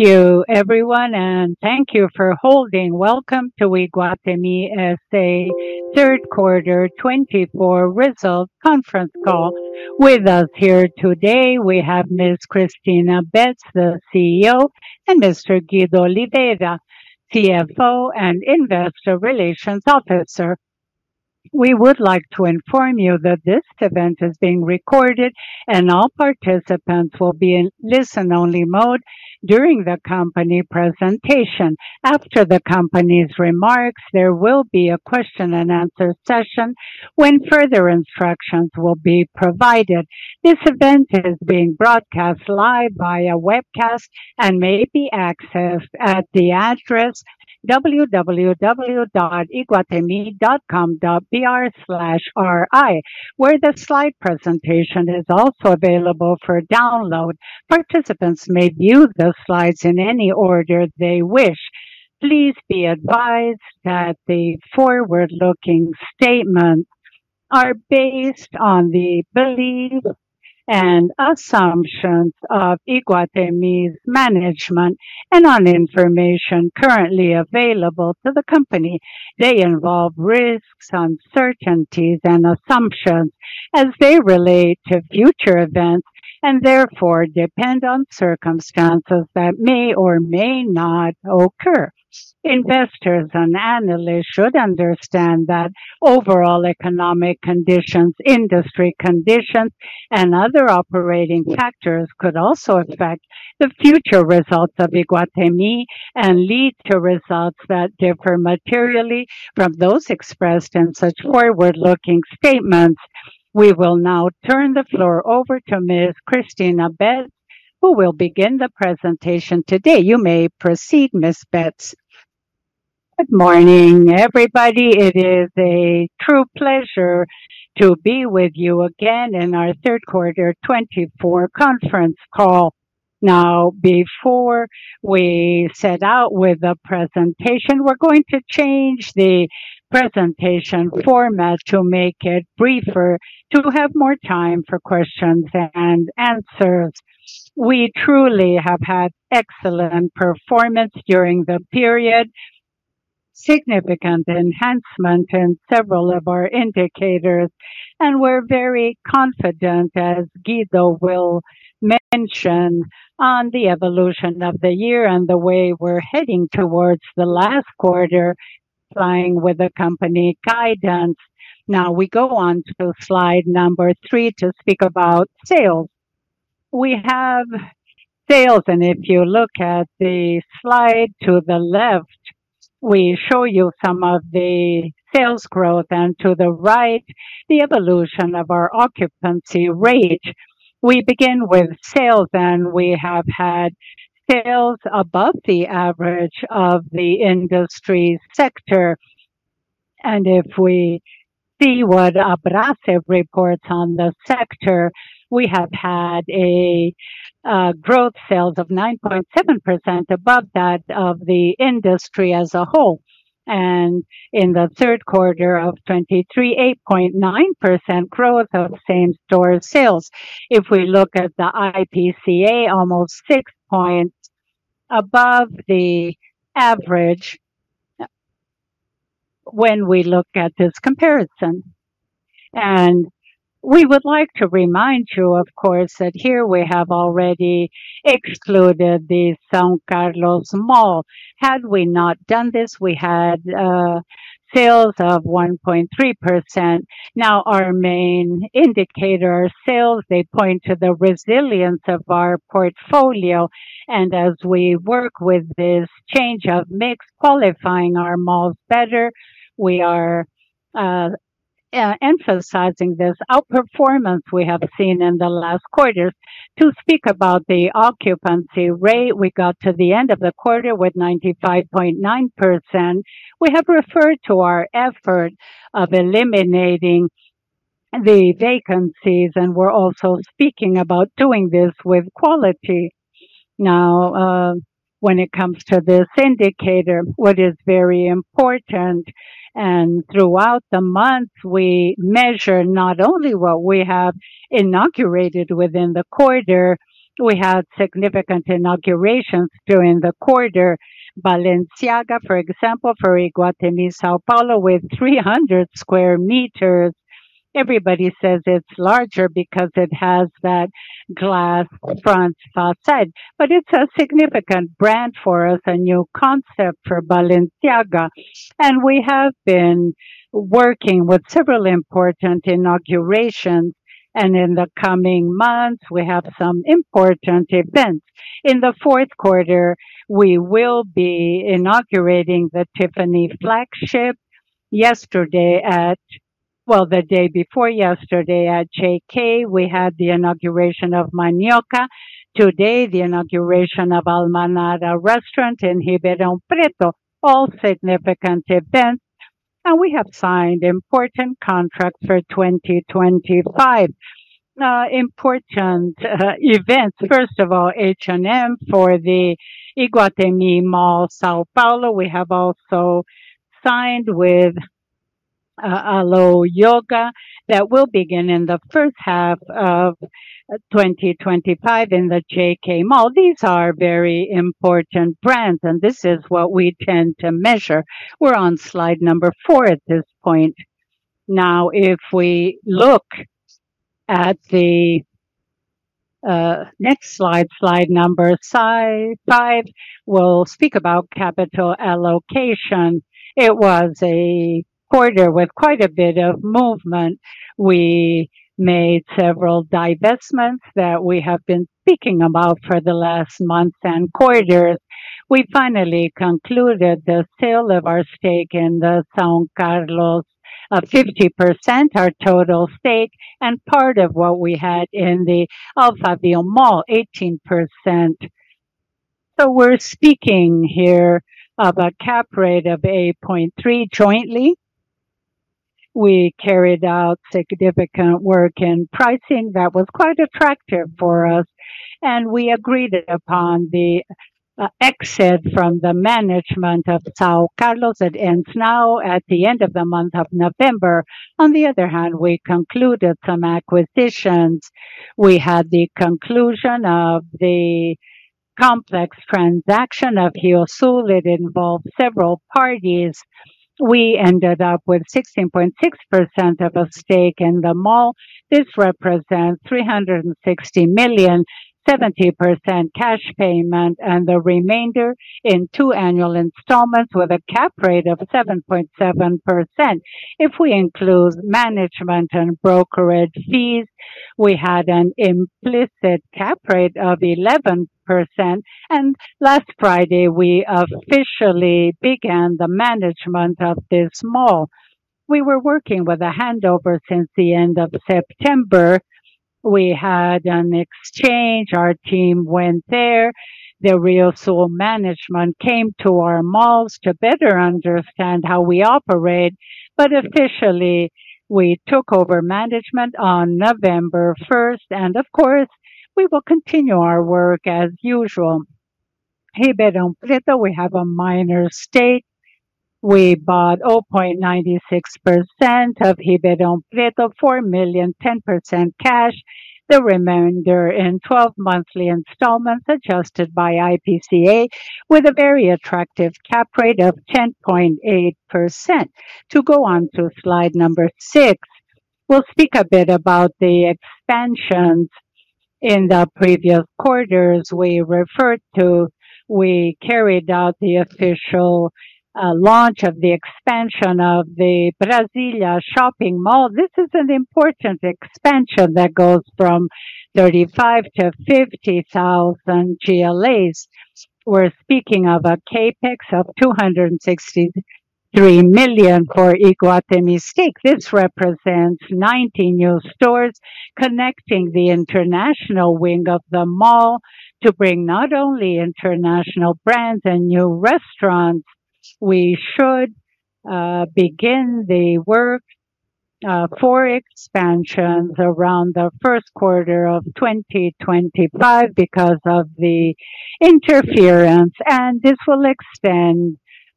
Thank you, everyone, and thank you for holding. Welcome to Iguatemi's third quarter 2024 results conference call. With us here today, we have Ms. Cristina Betts, the CEO, and Mr. Guido Oliveira, CFO and Investor Relations Officer. We would like to inform you that this event is being recorded, and all participants will be in listen-only mode during the company presentation. After the company's remarks, there will be a question-and-answer session when further instructions will be provided. This event is being broadcast live via webcast and may be accessed at the address www.iguatemi.com.br/ri, where the slide presentation is also available for download. Participants may view the slides in any order they wish. Please be advised that the forward-looking statements are based on the beliefs and assumptions of Iguatemi's management and on information currently available to the company. They involve risks, uncertainties, and assumptions as they relate to future events and therefore depend on circumstances that may or may not occur. Investors and analysts should understand that overall economic conditions, industry conditions, and other operating factors could also affect the future results of Iguatemi and lead to results that differ materially from those expressed in such forward-looking statements. We will now turn the floor over to Ms. Cristina Betts, who will begin the presentation today. You may proceed, Ms. Betts. Good morning, everybody. It is a true pleasure to be with you again in our third quarter 2024 conference call. Now, before we set out with the presentation, we're going to change the presentation format to make it briefer to have more time for questions and answers. We truly have had excellent performance during the period, significant enhancement in several of our indicators, and we're very confident, as Guido will mention, on the evolution of the year and the way we're heading towards the last quarter flying with the company guidance. Now, we go on to slide number three to speak about sales. We have sales, and if you look at the slide to the left, we show you some of the sales growth, and to the right, the evolution of our occupancy rate. We begin with sales, and we have had sales above the average of the industry sector. And if we see what ABRASCE reports on the sector, we have had a growth sales of 9.7% above that of the industry as a whole. And in the third quarter of 2023, 8.9% growth of same-store sales. If we look at the IPCA, almost 6 points above the average when we look at this comparison. And we would like to remind you, of course, that here we have already excluded the São Carlos Mall. Had we not done this, we had sales of 1.3%. Now, our main indicator sales, they point to the resilience of our portfolio. And as we work with this change of mix, qualifying our malls better, we are emphasizing this outperformance we have seen in the last quarters. To speak about the occupancy rate, we got to the end of the quarter with 95.9%. We have referred to our effort of eliminating the vacancies, and we're also speaking about doing this with quality. Now, when it comes to this indicator, what is very important, and throughout the month, we measure not only what we have inaugurated within the quarter. We had significant inaugurations during the quarter. Balenciaga, for example, for Iguatemi São Paulo with 300 square meters. Everybody says it's larger because it has that glass front facade, but it's a significant brand for us, a new concept for Balenciaga, and we have been working with several important inaugurations, and in the coming months, we have some important events. In the fourth quarter, we will be inaugurating the Tiffany flagship. Yesterday, at, well, the day before yesterday at JK, we had the inauguration of Manioca. Today, the inauguration of Almanara Restaurant in Ribeirão Preto. All significant events, and we have signed important contracts for 2025. Important events, first of all, H&M for the Iguatemi São Paulo. We have also signed with Alo Yoga that will begin in the first half of 2025 in the JK Mall. These are very important brands, and this is what we tend to measure. We're on slide number four at this point. Now, if we look at the next slide, slide number five, we'll speak about capital allocation. It was a quarter with quite a bit of movement. We made several divestments that we have been speaking about for the last months and quarters. We finally concluded the sale of our stake in the São Carlos Mall, 50%, our total stake, and part of what we had in the Alphaville Mall, 18%. So we're speaking here of a cap rate of 8.3% jointly. We carried out significant work in pricing that was quite attractive for us, and we agreed upon the exit from the management of São Carlos that ends now at the end of the month of November. On the other hand, we concluded some acquisitions. We had the conclusion of the complex transaction of Rio Sul that involved several parties. We ended up with 16.6% of a stake in the mall. This represents 360 million, 70% cash payment, and the remainder in two annual installments with a cap rate of 7.7%. If we include management and brokerage fees, we had an implicit cap rate of 11%. Last Friday, we officially began the management of this mall. We were working with a handover since the end of September. We had an exchange. Our team went there. The Rio Sul management came to our malls to better understand how we operate. But officially, we took over management on November 1st, and of course, we will continue our work as usual. Ribeirão Preto, we have a minor stake. We bought 0.96% of Ribeirão Preto, 4 million, 10% cash. The remainder in 12 monthly installments adjusted by IPCA with a very attractive cap rate of 10.8%. To go on to slide number six, we'll speak a bit about the expansions in the previous quarters we referred to. We carried out the official launch of the expansion of the Brasília Shopping. This is an important expansion that goes from 35 to 50,000 GLAs. We're speaking of a CapEx of 263 million for Iguatemi's stake. This represents 19 new stores connecting the international wing of the mall to bring not only international brands and new restaurants. We should begin the work for expansions around the first quarter of 2025 because of the interference, and this will extend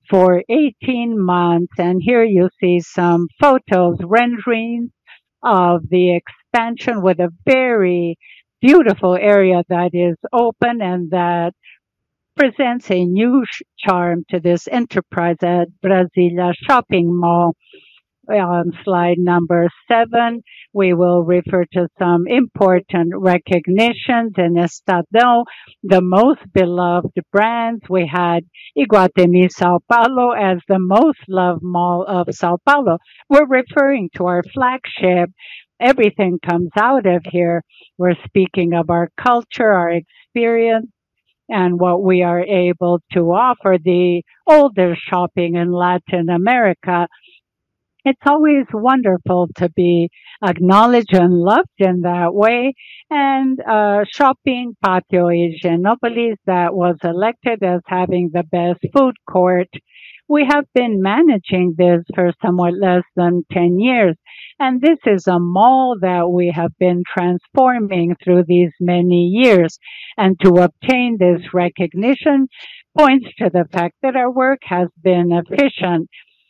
for 18 months, and here you see some photos, renderings of the expansion with a very beautiful area that is open and that presents a new charm to this enterprise at Brasília Shopping. On slide number seven, we will refer to some important recognitions. In Estadão, the most beloved brands, we had Iguatemi São Paulo as the most loved mall of São Paulo. We're referring to our flagship. Everything comes out of here. We're speaking of our culture, our experience, and what we are able to offer, the older shopping in Latin America. It's always wonderful to be acknowledged and loved in that way, and Shopping Pátio Higienópolis that was elected as having the best food court. We have been managing this for somewhat less than 10 years, and this is a mall that we have been transforming through these many years. To obtain this recognition points to the fact that our work has been efficient.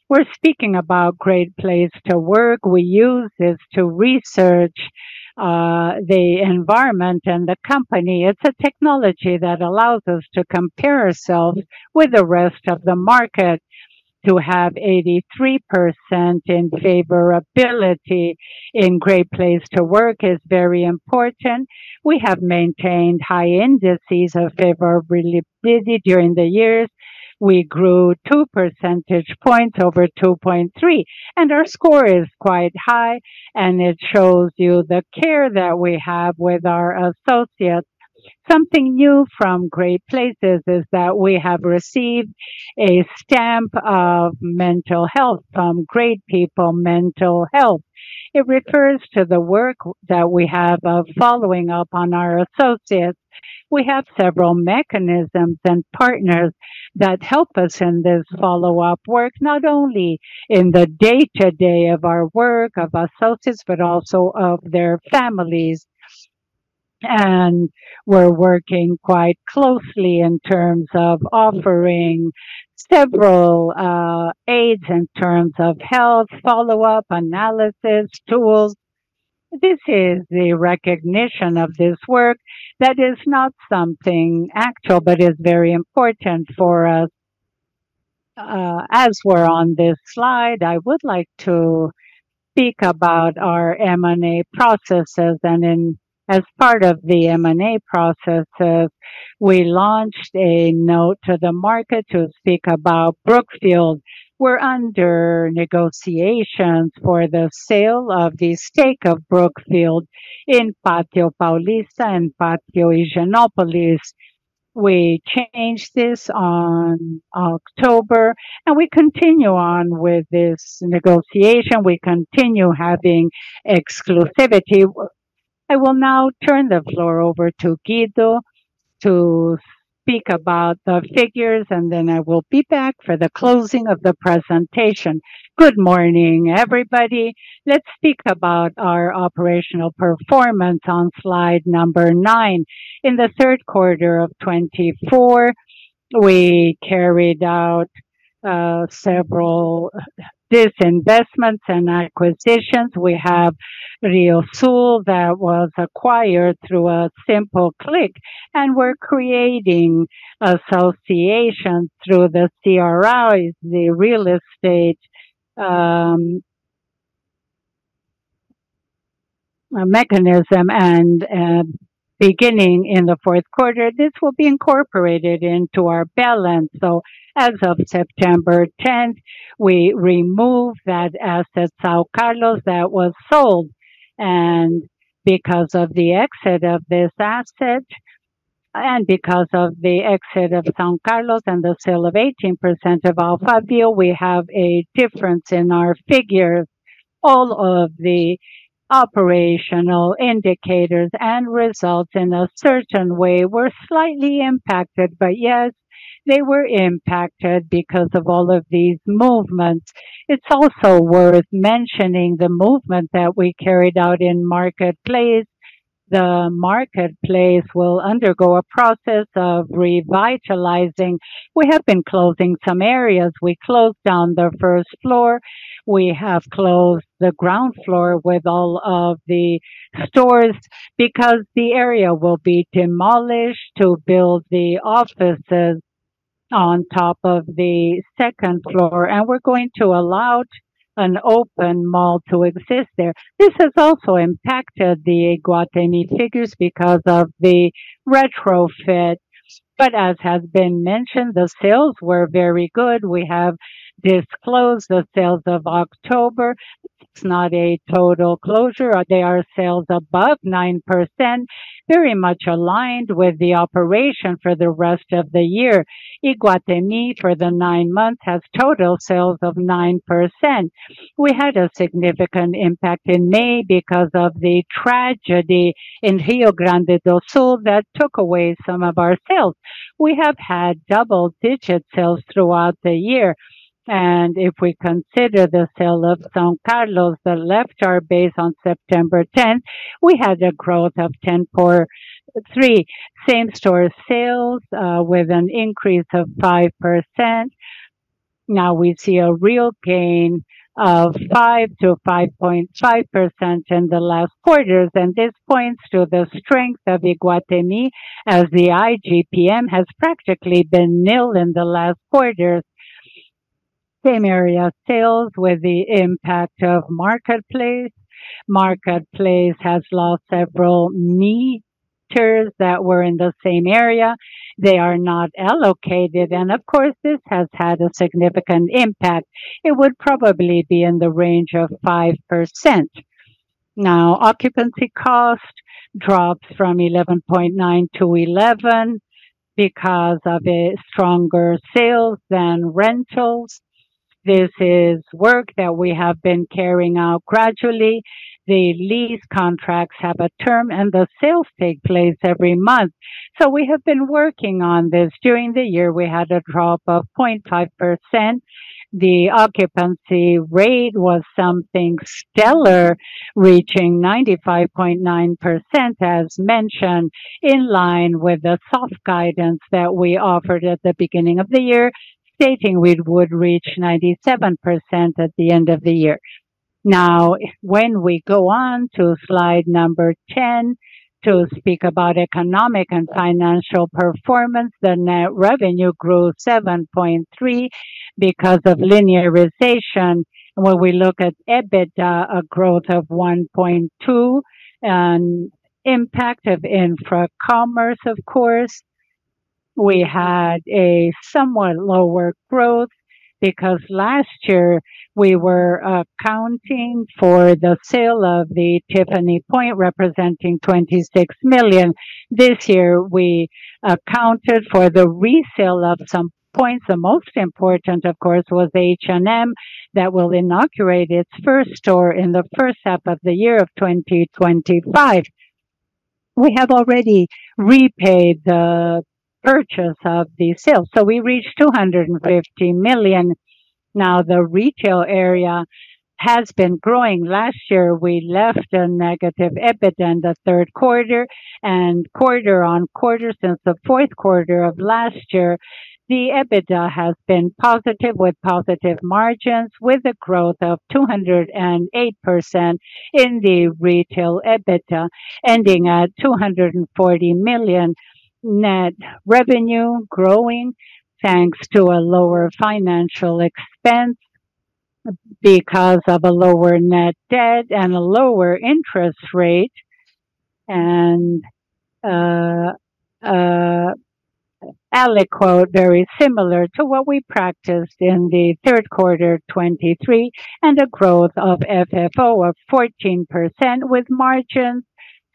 We're speaking about Great Place to Work. We use this to research the environment and the company. It's a technology that allows us to compare ourselves with the rest of the market. To have 83% in favorability in Great Place to Work is very important. We have maintained high indices of favorability during the years. We grew 2 percentage points over 2023, and our score is quite high, and it shows you the care that we have with our associates. Something new from Great Place to Work is that we have received a stamp of mental health from Great Place to Work mental health. It refers to the work that we have of following up on our associates. We have several mechanisms and partners that help us in this follow-up work, not only in the day-to-day of our work, of associates, but also of their families. And we're working quite closely in terms of offering several aids in terms of health follow-up analysis tools. This is the recognition of this work that is not something actual, but is very important for us. As we're on this slide, I would like to speak about our M&A processes. And as part of the M&A processes, we launched a note to the market to speak about Brookfield. We're under negotiations for the sale of the stake of Brookfield in Pátio Paulista and Pátio Higienópolis. We changed this on October, and we continue on with this negotiation. We continue having exclusivity. I will now turn the floor over to Guido to speak about the figures, and then I will be back for the closing of the presentation. Good morning, everybody. Let's speak about our operational performance on slide number nine. In the third quarter of 2024, we carried out several disinvestments and acquisitions. We have Rio Sul that was acquired through a simple click, and we're creating associations through the CRI, the real estate mechanism, and beginning in the fourth quarter. This will be incorporated into our balance, so as of September 10th, we removed that asset, São Carlos, that was sold, and because of the exit of this asset and because of the exit of São Carlos and the sale of 18% of Alphaville, we have a difference in our figures. All of the operational indicators and results in a certain way were slightly impacted, but yes, they were impacted because of all of these movements. It's also worth mentioning the movement that we carried out in Market Place. The Market Place will undergo a process of revitalizing. We have been closing some areas. We closed down the first floor. We have closed the ground floor with all of the stores because the area will be demolished to build the offices on top of the second floor, and we're going to allow an open mall to exist there. This has also impacted the Iguatemi figures because of the retrofit, but as has been mentioned, the sales were very good. We have disclosed the sales of October. It's not a total closure. They are sales above 9%, very much aligned with the operation for the rest of the year. Iguatemi, for the nine months, has total sales of 9%. We had a significant impact in May because of the tragedy in Rio Grande do Sul that took away some of our sales. We have had double-digit sales throughout the year. If we consider the sale of São Carlos that left our base on September 10th, we had a growth of 10.3%. Same-store sales with an increase of 5%. Now we see a real gain of 5%-5.5% in the last quarters. This points to the strength of Iguatemi as the IGP-M has practically been nil in the last quarters. Same area sales with the impact of Market Place. Market Place has lost several meters that were in the same area. They are not allocated. Of course, this has had a significant impact. It would probably be in the range of 5%. Now, occupancy cost drops from 11.9% to 11% because of a stronger sales than rentals. This is work that we have been carrying out gradually. The lease contracts have a term, and the sales take place every month. So we have been working on this. During the year, we had a drop of 0.5%. The occupancy rate was something stellar, reaching 95.9%, as mentioned, in line with the soft guidance that we offered at the beginning of the year, stating we would reach 97% at the end of the year. Now, when we go on to slide number 10 to speak about economic and financial performance, the net revenue grew 7.3% because of linearization. When we look at EBITDA, a growth of 1.2 and impact of Infracommerce, of course, we had a somewhat lower growth because last year we were accounting for the sale of the Tiffany point, representing 26 million. This year, we accounted for the resale of some points. The most important, of course, was H&M that will inaugurate its first store in the first half of the year of 2025. We have already repaid the purchase of the sale, so we reached 250 million. Now, the retail area has been growing. Last year, we left a negative EBITDA in the third quarter and quarter on quarter since the fourth quarter of last year. The EBITDA has been positive with positive margins with a growth of 208% in the retail EBITDA, ending at 240 million net revenue, growing thanks to a lower financial expense because of a lower net debt and a lower interest rate, and alíquota very similar to what we practiced in the third quarter 2023 and a growth of FFO of 14% with margins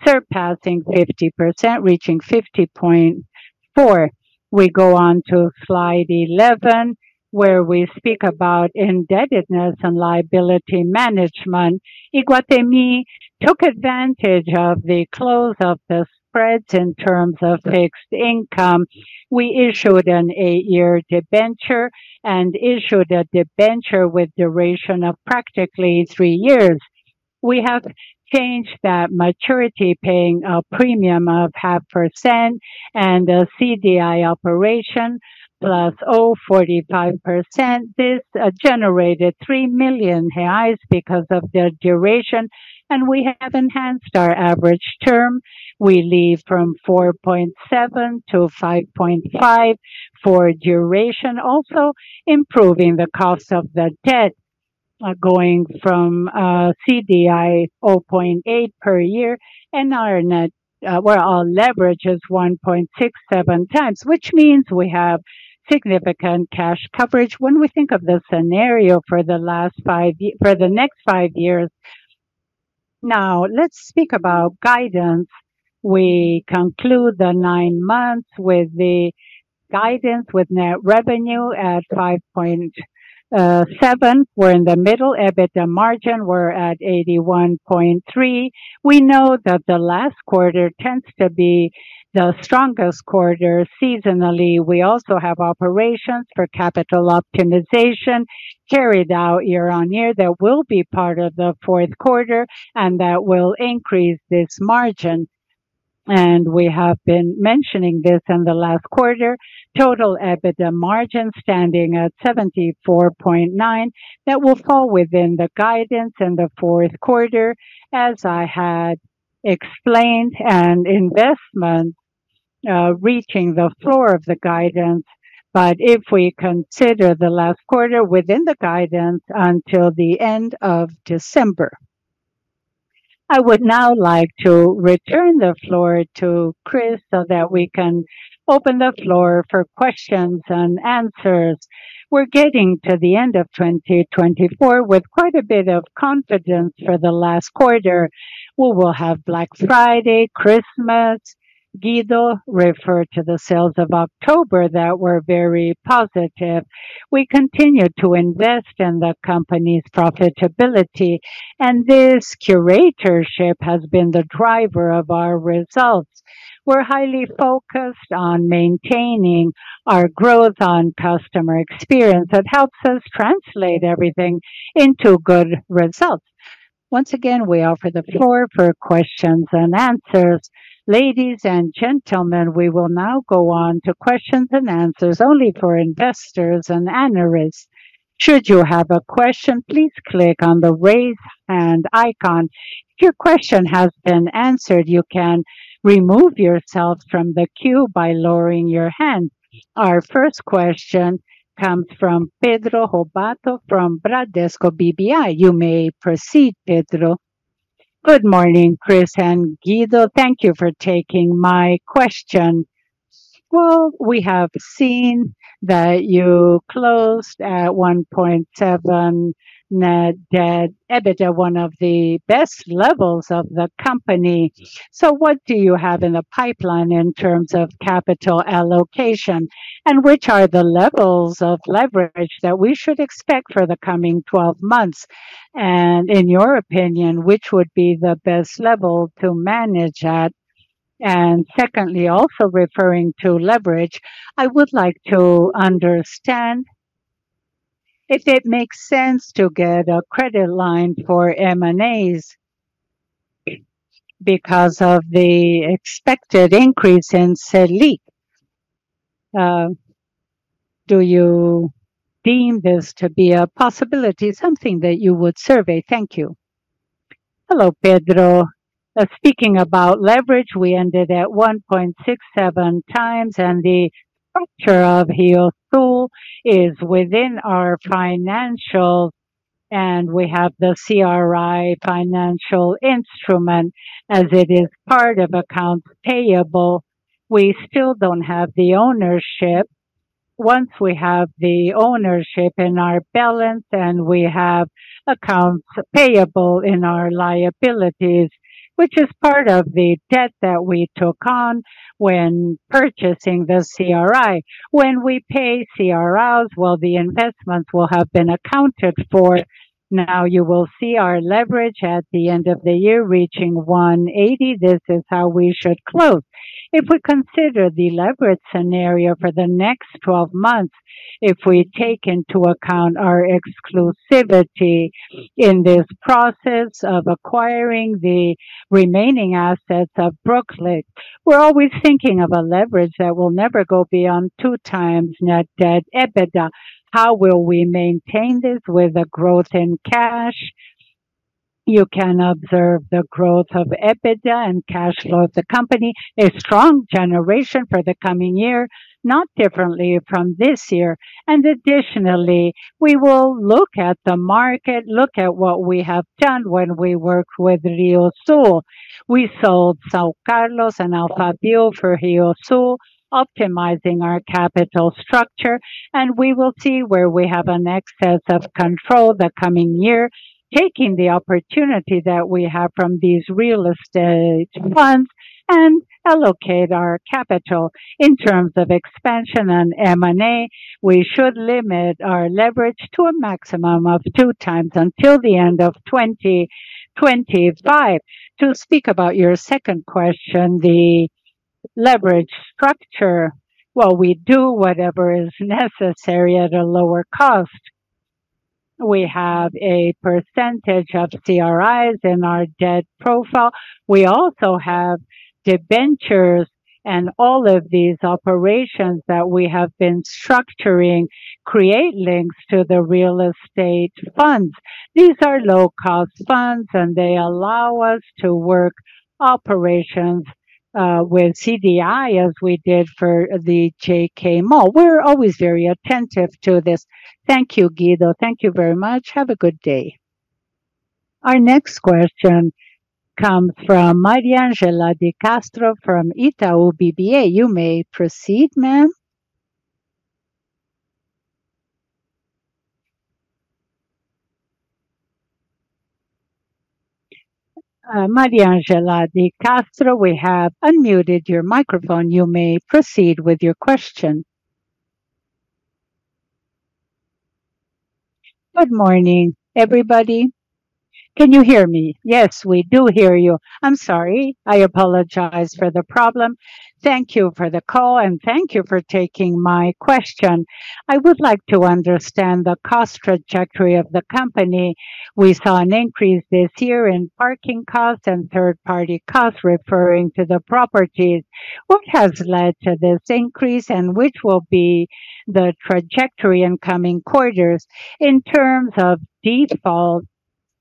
surpassing 50%, reaching 50.4. We go on to slide 11, where we speak about indebtedness and liability management. Iguatemi took advantage of the close of the spreads in terms of fixed income. We issued an eight-year debenture and issued a debenture with duration of practically three years. We have changed that maturity paying a premium of 0.5% and a CDI operation plus 0.45%. This generated 3 million reais because of the duration, and we have enhanced our average term. We leave from 4.7-5.5 for duration, also improving the cost of the debt going from CDI 0.8 per year, and our net leverage is 1.67 times, which means we have significant cash coverage when we think of the scenario for the last five for the next five years. Now, let's speak about guidance. We conclude the nine months with the guidance with net revenue at 5.7. We're in the middle EBITDA margin. We're at 81.3. We know that the last quarter tends to be the strongest quarter seasonally. We also have operations for capital optimization carried out year on year that will be part of the fourth quarter and that will increase this margin. We have been mentioning this in the last quarter, total EBITDA margin standing at 74.9% that will fall within the guidance in the fourth quarter, as I had explained, and investment reaching the floor of the guidance. But if we consider the last quarter within the guidance until the end of December, I would now like to return the floor to Cris so that we can open the floor for questions and answers. We're getting to the end of 2024 with quite a bit of confidence for the last quarter. We will have Black Friday, Christmas. Guido referred to the sales of October that were very positive. We continue to invest in the company's profitability, and this curatorship has been the driver of our results. We're highly focused on maintaining our growth on customer experience that helps us translate everything into good results. Once again, we offer the floor for questions and answers. Ladies and gentlemen, we will now go on to questions and answers only for investors and analysts. Should you have a question, please click on the raise hand icon. If your question has been answered, you can remove yourself from the queue by lowering your hand. Our first question comes from Pedro Lobato from Bradesco BBI. You may proceed, Pedro. Good morning, Cristina and Guido. Thank you for taking my question. Well, we have seen that you closed at 1.7 net debt EBITDA, one of the best levels of the company. So what do you have in the pipeline in terms of capital allocation? And which are the levels of leverage that we should expect for the coming 12 months? And in your opinion, which would be the best level to manage at? Secondly, also referring to leverage, I would like to understand if it makes sense to get a credit line for M&As because of the expected increase in Selic. Do you deem this to be a possibility, something that you would pursue? Thank you. Hello, Pedro. Speaking about leverage, we ended at 1.67 times, and the structure of Rio Sul is within our financials, and we have the CRI financial instrument as it is part of accounts payable. We still don't have the ownership. Once we have the ownership in our balance and we have accounts payable in our liabilities, which is part of the debt that we took on when purchasing the CRI. When we pay CRIs, well, the investments will have been accounted for. Now you will see our leverage at the end of the year reaching 180. This is how we should close. If we consider the leverage scenario for the next 12 months, if we take into account our exclusivity in this process of acquiring the remaining assets of Brookfield, we're always thinking of a leverage that will never go beyond two times net debt EBITDA. How will we maintain this with the growth in cash? You can observe the growth of EBITDA and cash flow of the company. A strong generation for the coming year, not differently from this year. Additionally, we will look at the market, look at what we have done when we worked with Rio Sul. We sold São Carlos and Alphaville for Rio Sul, optimizing our capital structure. We will see where we have an excess of control the coming year, taking the opportunity that we have from these real estate funds and allocate our capital. In terms of expansion and M&A, we should limit our leverage to a maximum of two times until the end of 2025. To speak about your second question, the leverage structure, well, we do whatever is necessary at a lower cost. We have a percentage of CRIs in our debt profile. We also have debentures, and all of these operations that we have been structuring create links to the real estate funds. These are low-cost funds, and they allow us to work operations with CDI as we did for the JK Mall. We're always very attentive to this. Thank you, Guido. Thank you very much. Have a good day. Our next question comes from Mariangela de Castro from Itaú BBA. You may proceed, ma'am. Mariangela de Castro, we have unmuted your microphone. You may proceed with your question. Good morning, everybody. Can you hear me? Yes, we do hear you. I'm sorry. I apologize for the problem. Thank you for the call, and thank you for taking my question. I would like to understand the cost trajectory of the company. We saw an increase this year in parking costs and third-party costs referring to the properties. What has led to this increase, and which will be the trajectory in coming quarters? In terms of default,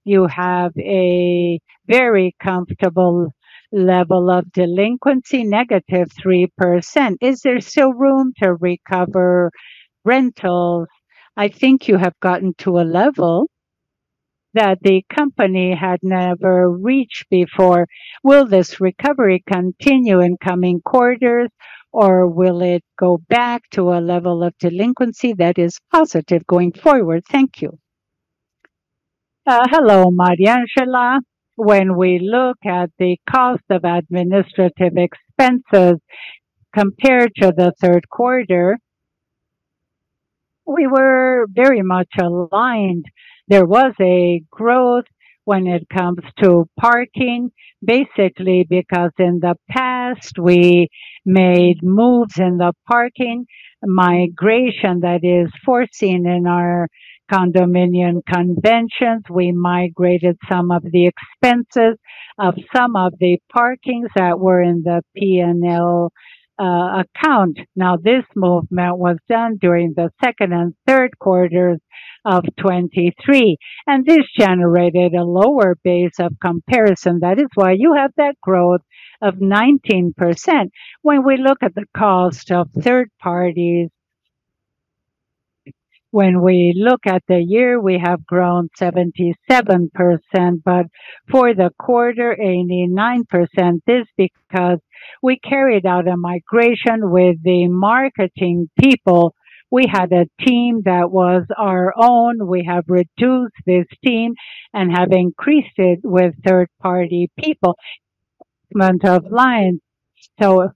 you have a very comfortable level of delinquency, negative 3%. Is there still room to recover rentals? I think you have gotten to a level that the company had never reached before. Will this recovery continue in coming quarters, or will it go back to a level of delinquency that is positive going forward? Thank you. Hello, Mariangela. When we look at the cost of administrative expenses compared to the third quarter, we were very much aligned. There was a growth when it comes to parking, basically because in the past, we made moves in the parking migration that is foreseen in our condominium conventions. We migrated some of the expenses of some of the parkings that were in the P&L account. Now, this movement was done during the second and third quarters of 2023, and this generated a lower base of comparison. That is why you have that growth of 19%. When we look at the cost of third parties, when we look at the year, we have grown 77%, but for the quarter, 89%. This is because we carried out a migration with the marketing people. We had a team that was our own. We have reduced this team and have increased it with third-party people, management of lines. So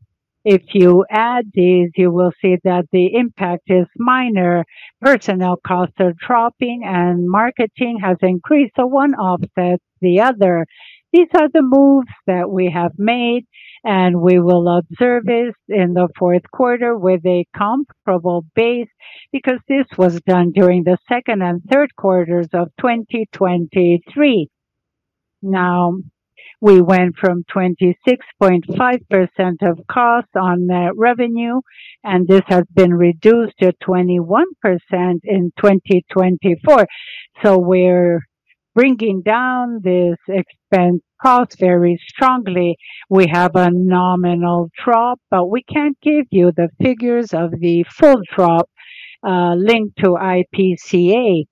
if you add these, you will see that the impact is minor. Personnel costs are dropping, and marketing has increased, so one offsets the other. These are the moves that we have made, and we will observe this in the fourth quarter with a comparable base because this was done during the second and third quarters of 2023. Now, we went from 26.5% of costs on net revenue, and this has been reduced to 21% in 2024. So we're bringing down this expense cost very strongly. We have a nominal drop, but we can't give you the figures of the full drop linked to IPCA.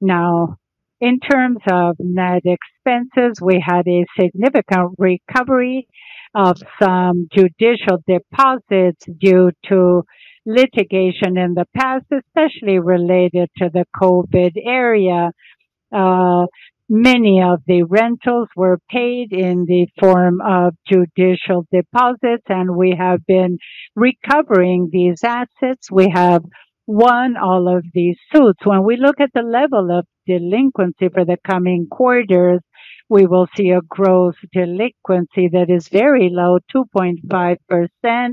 Now, in terms of net expenses, we had a significant recovery of some judicial deposits due to litigation in the past, especially related to the COVID area. Many of the rentals were paid in the form of judicial deposits, and we have been recovering these assets. We have won all of these suits. When we look at the level of delinquency for the coming quarters, we will see a growth delinquency that is very low, 2.5%,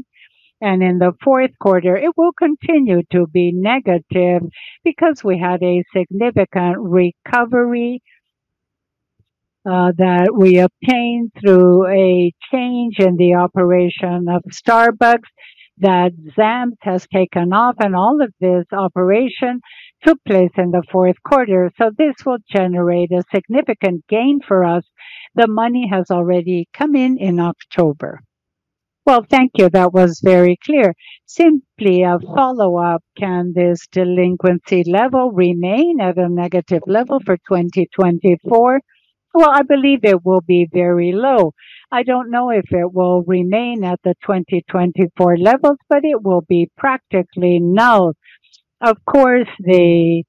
and in the fourth quarter, it will continue to be negative because we had a significant recovery that we obtained through a change in the operation of Starbucks that Zamp has taken off, and all of this operation took place in the fourth quarter. This will generate a significant gain for us. The money has already come in October. Thank you. That was very clear. Simply a follow-up: can this delinquency level remain at a negative level for 2024? I believe it will be very low. I don't know if it will remain at the 2024 levels, but it will be practically null. Of course, the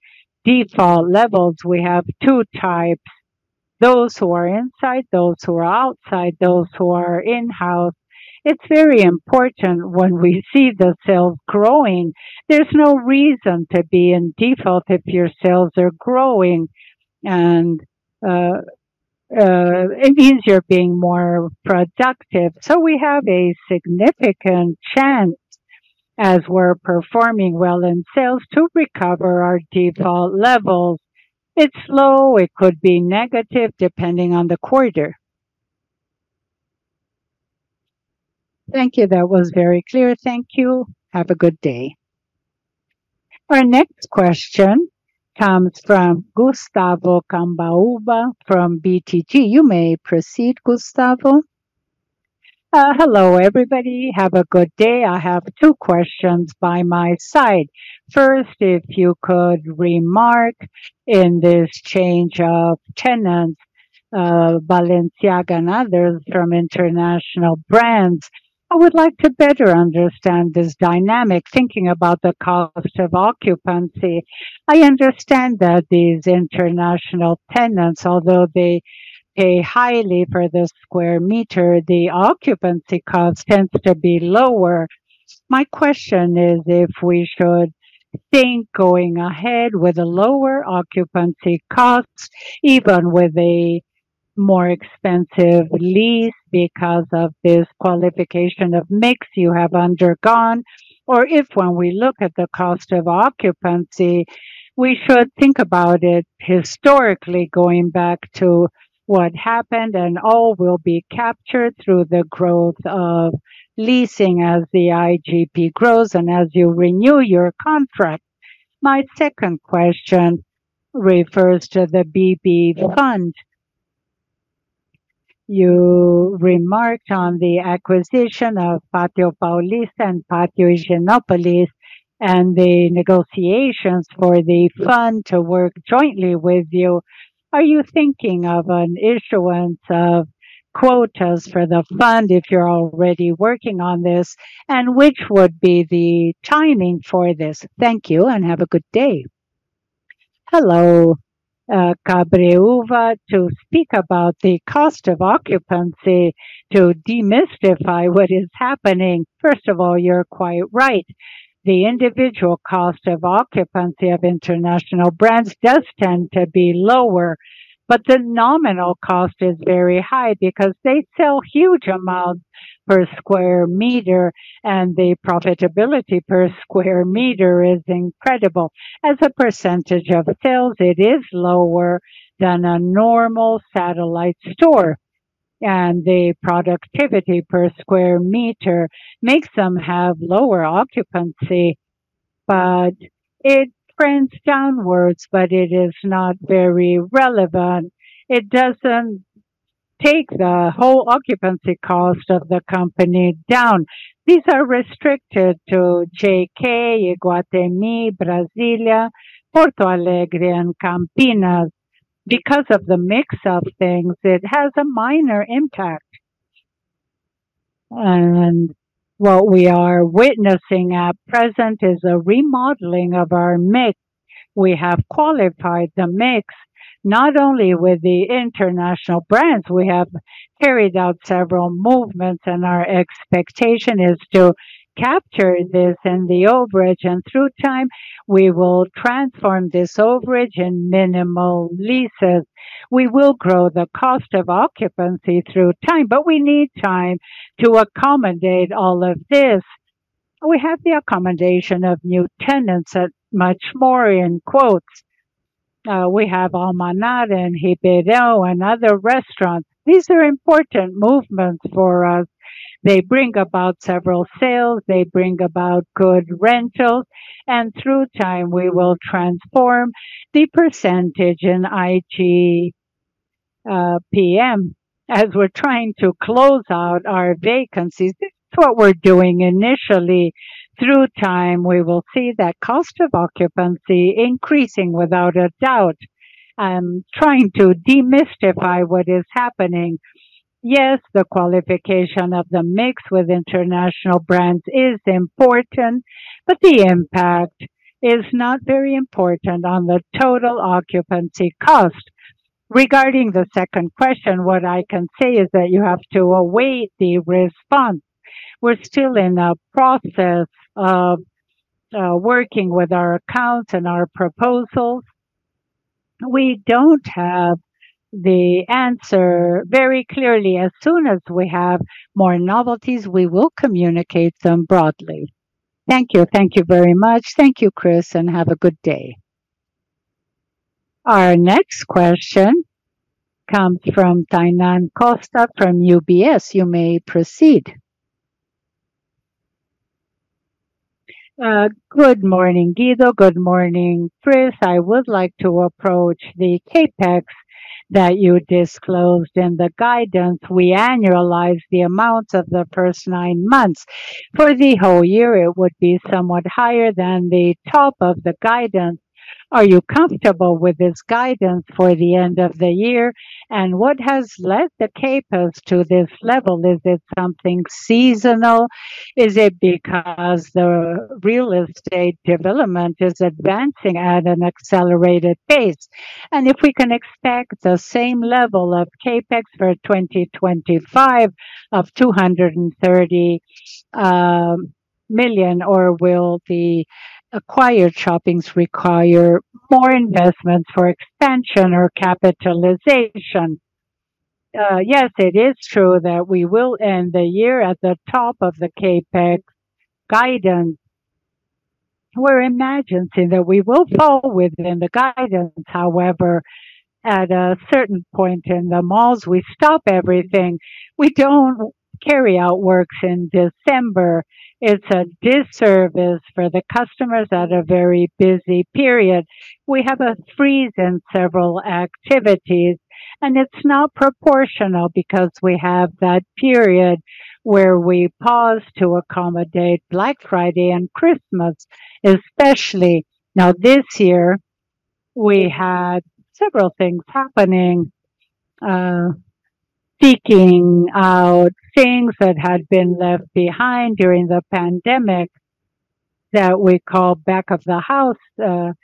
default levels, we have two types: those who are inside, those who are outside, those who are in-house. It's very important when we see the sales growing. There's no reason to be in default if your sales are growing, and it means you're being more productive. So we have a significant chance, as we're performing well in sales, to recover our default levels. It's low. It could be negative depending on the quarter. Thank you. That was very clear. Thank you. Have a good day. Our next question comes from Gustavo Cambauva from BTG. You may proceed, Gustavo. Hello, everybody. Have a good day. I have two questions by my side. First, if you could remark on this change of tenants, Balenciaga and others from international brands. I would like to better understand this dynamic, thinking about the cost of occupancy. I understand that these international tenants, although they pay highly for the square meter, the occupancy cost tends to be lower. My question is if we should think going ahead with a lower occupancy cost, even with a more expensive lease because of this qualification of mix you have undergone, or if when we look at the cost of occupancy, we should think about it historically going back to what happened and all will be captured through the growth of leasing as the IGP grows and as you renew your contract? My second question refers to the BB Fund. You remarked on the acquisition of Pátio Paulista and Pátio Higienópolis and the negotiations for the fund to work jointly with you. Are you thinking of an issuance of quotas for the fund if you're already working on this, and which would be the timing for this? Thank you and have a good day. Hello, Gustavo Cambauva, to speak about the cost of occupancy to demystify what is happening. First of all, you're quite right. The individual cost of occupancy of international brands does tend to be lower, but the nominal cost is very high because they sell huge amounts per square meter, and the profitability per square meter is incredible. As a percentage of sales, it is lower than a normal satellite store, and the productivity per square meter makes them have lower occupancy, but it trends downwards, but it is not very relevant. It doesn't take the whole occupancy cost of the company down. These are restricted to JK, Iguatemi, Brasília, Porto Alegre, and Campinas. Because of the mix of things, it has a minor impact. What we are witnessing at present is a remodeling of our mix. We have qualified the mix not only with the international brands. We have carried out several movements, and our expectation is to capture this in the overage, and through time, we will transform this overage in minimal leases. We will grow the cost of occupancy through time, but we need time to accommodate all of this. We have the accommodation of new tenants at much more in quotes. We have Almanara, and Ribeirão, and other restaurants. These are important movements for us. They bring about several sales. They bring about good rentals, and through time, we will transform the percentage in IGP-M as we're trying to close out our vacancies. This is what we're doing initially. Through time, we will see that cost of occupancy increasing without a doubt. I'm trying to demystify what is happening. Yes, the qualification of the mix with international brands is important, but the impact is not very important on the total occupancy cost. Regarding the second question, what I can say is that you have to await the response. We're still in a process of working with our accounts and our proposals. We don't have the answer very clearly. As soon as we have more novelties, we will communicate them broadly. Thank you. Thank you very much. Thank you, Cris, and have a good day. Our next question comes from Tainan Costa from UBS. You may proceed. Good morning, Guido. Good morning, Cris. I would like to approach the CapEx that you disclosed in the guidance. We annualize the amounts of the first nine months. For the whole year, it would be somewhat higher than the top of the guidance. Are you comfortable with this guidance for the end of the year? And what has led the CapEx to this level? Is it something seasonal? Is it because the real estate development is advancing at an accelerated pace? And if we can expect the same level of CapEx for 2025 of 230 million, or will the acquired shoppings require more investments for expansion or capitalization? Yes, it is true that we will end the year at the top of the CapEx guidance. We're imagining that we will fall within the guidance. However, at a certain point in the malls, we stop everything. We don't carry out works in December. It's a disservice for the customers at a very busy period. We have a freeze in several activities, and it's not proportional because we have that period where we pause to accommodate Black Friday and Christmas, especially. Now, this year, we had several things happening, seeking out things that had been left behind during the pandemic that we call back of the house,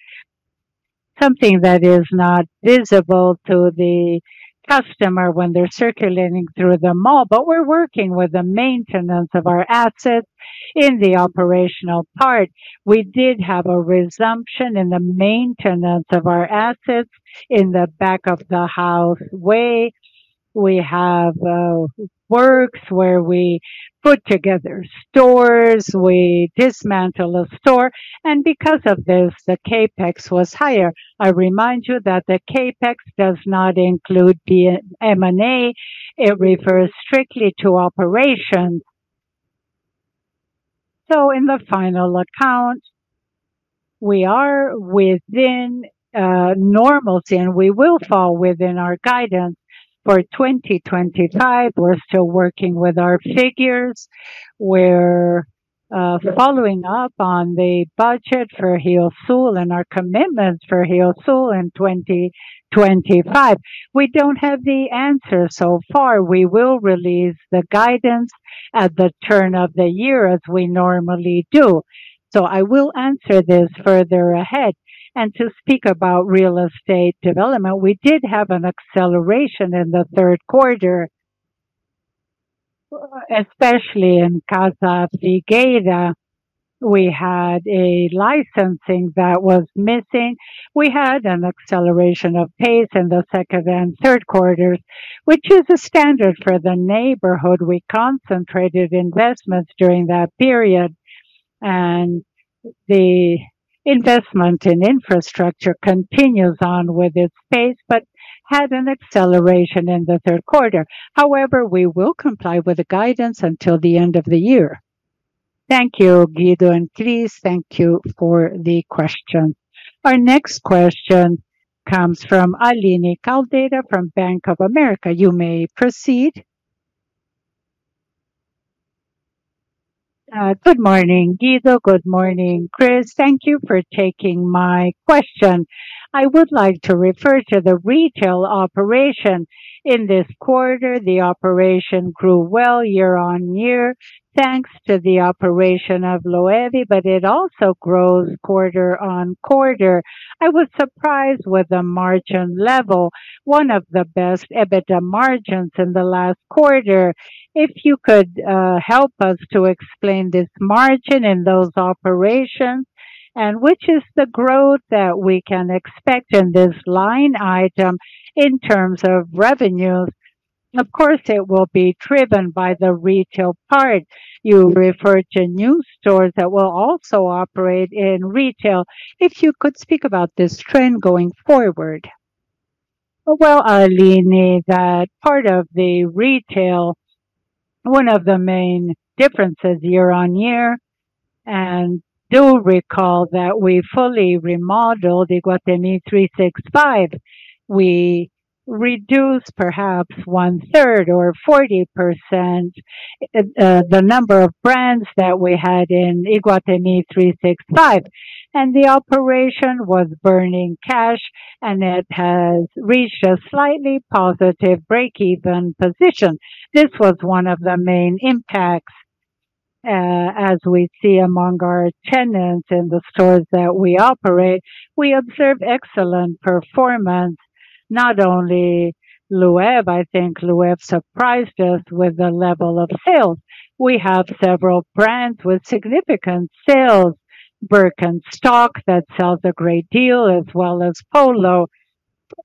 something that is not visible to the customer when they're circulating through the mall. But we're working with the maintenance of our assets in the operational part. We did have a resumption in the maintenance of our assets in the back of the house way. We have works where we put together stores. We dismantle a store. And because of this, the CapEx was higher. I remind you that the CapEx does not include the M&A. It refers strictly to operations. So, in the final account, we are within normalcy, and we will fall within our guidance for 2025. We're still working with our figures. We're following up on the budget for Rio Sul and our commitments for Rio Sul in 2025. We don't have the answer so far. We will release the guidance at the turn of the year as we normally do. So, I will answer this further ahead. And to speak about real estate development, we did have an acceleration in the third quarter, especially in Casa Figueira. We had a licensing that was missing. We had an acceleration of pace in the second and third quarters, which is a standard for the neighborhood. We concentrated investments during that period, and the investment in infrastructure continues on with its pace but had an acceleration in the third quarter. However, we will comply with the guidance until the end of the year. Thank you, Guido and Cris. Thank you for the questions. Our next question comes from Aline Caldeira from Bank of America. You may proceed. Good morning, Guido. Good morning, Cris. Thank you for taking my question. I would like to refer to the retail operation in this quarter. The operation grew well year on year, thanks to the operation of Loewe, but it also grows quarter on quarter. I was surprised with the margin level, one of the best EBITDA margins in the last quarter. If you could help us to explain this margin in those operations and which is the growth that we can expect in this line item in terms of revenues? Of course, it will be driven by the retail part. You referred to new stores that will also operate in retail. If you could speak about this trend going forward? Well, Aline, that part of the retail, one of the main differences year on year, and do recall that we fully remodeled Iguatemi 365. We reduced perhaps one-third or 40% the number of brands that we had in Iguatemi 365. The operation was burning cash, and it has reached a slightly positive break-even position. This was one of the main impacts as we see among our tenants in the stores that we operate. We observe excellent performance, not only Loewe. I think Loewe surprised us with the level of sales. We have several brands with significant sales, Birkenstock that sells a great deal, as well as Polo.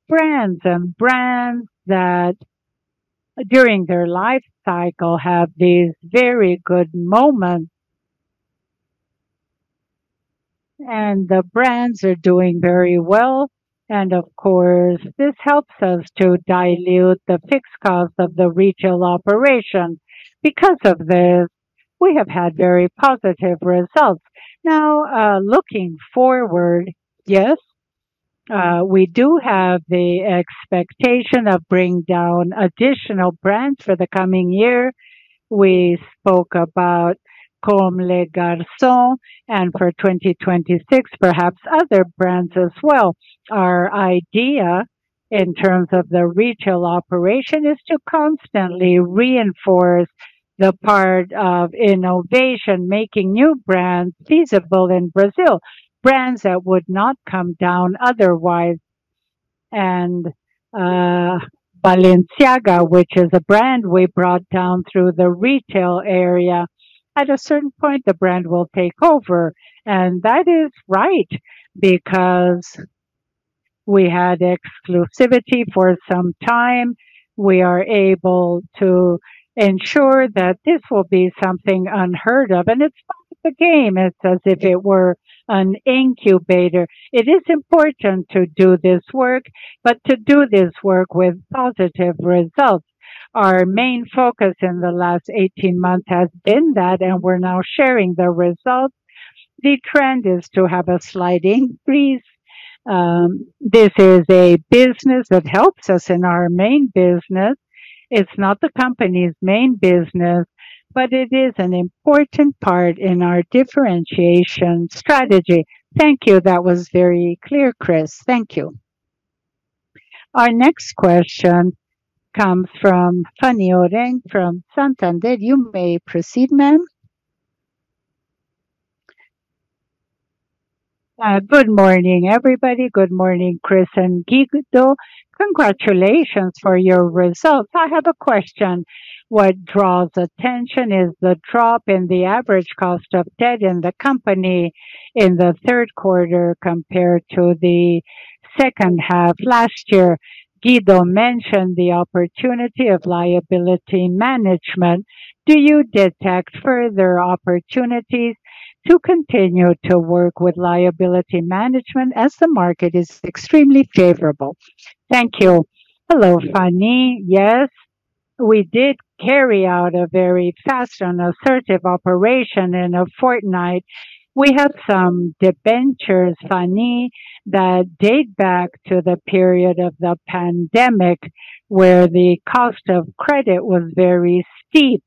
Brands and brands that during their life cycle have these very good moments. The brands are doing very well. Of course, this helps us to dilute the fixed cost of the retail operation. Because of this, we have had very positive results. Now, looking forward, yes, we do have the expectation of bringing down additional brands for the coming year. We spoke about Comme des Garçons, and for 2026, perhaps other brands as well. Our idea in terms of the retail operation is to constantly reinforce the part of innovation, making new brands feasible in Brazil, brands that would not come down otherwise, and Balenciaga, which is a brand we brought down through the retail area, at a certain point, the brand will take over, and that is right because we had exclusivity for some time. We are able to ensure that this will be something unheard of, and it's part of the game. It's as if it were an incubator. It is important to do this work, but to do this work with positive results. Our main focus in the last 18 months has been that, and we're now sharing the results. The trend is to have a slight increase. This is a business that helps us in our main business. It's not the company's main business, but it is an important part in our differentiation strategy. Thank you. That was very clear, Cris. Thank you. Our next question comes from Fanny Oreng from Santander. You may proceed, ma'am. Good morning, everybody. Good morning, Cris and Guido. Congratulations for your results. I have a question. What draws attention is the drop in the average cost of debt in the company in the third quarter compared to the second half last year. Guido mentioned the opportunity of liability management. Do you detect further opportunities to continue to work with liability management as the market is extremely favorable? Thank you. Hello, Fanny. Yes, we did carry out a very fast and assertive operation in a fortnight. We have some debentures, Fanny, that date back to the period of the pandemic where the cost of credit was very steep.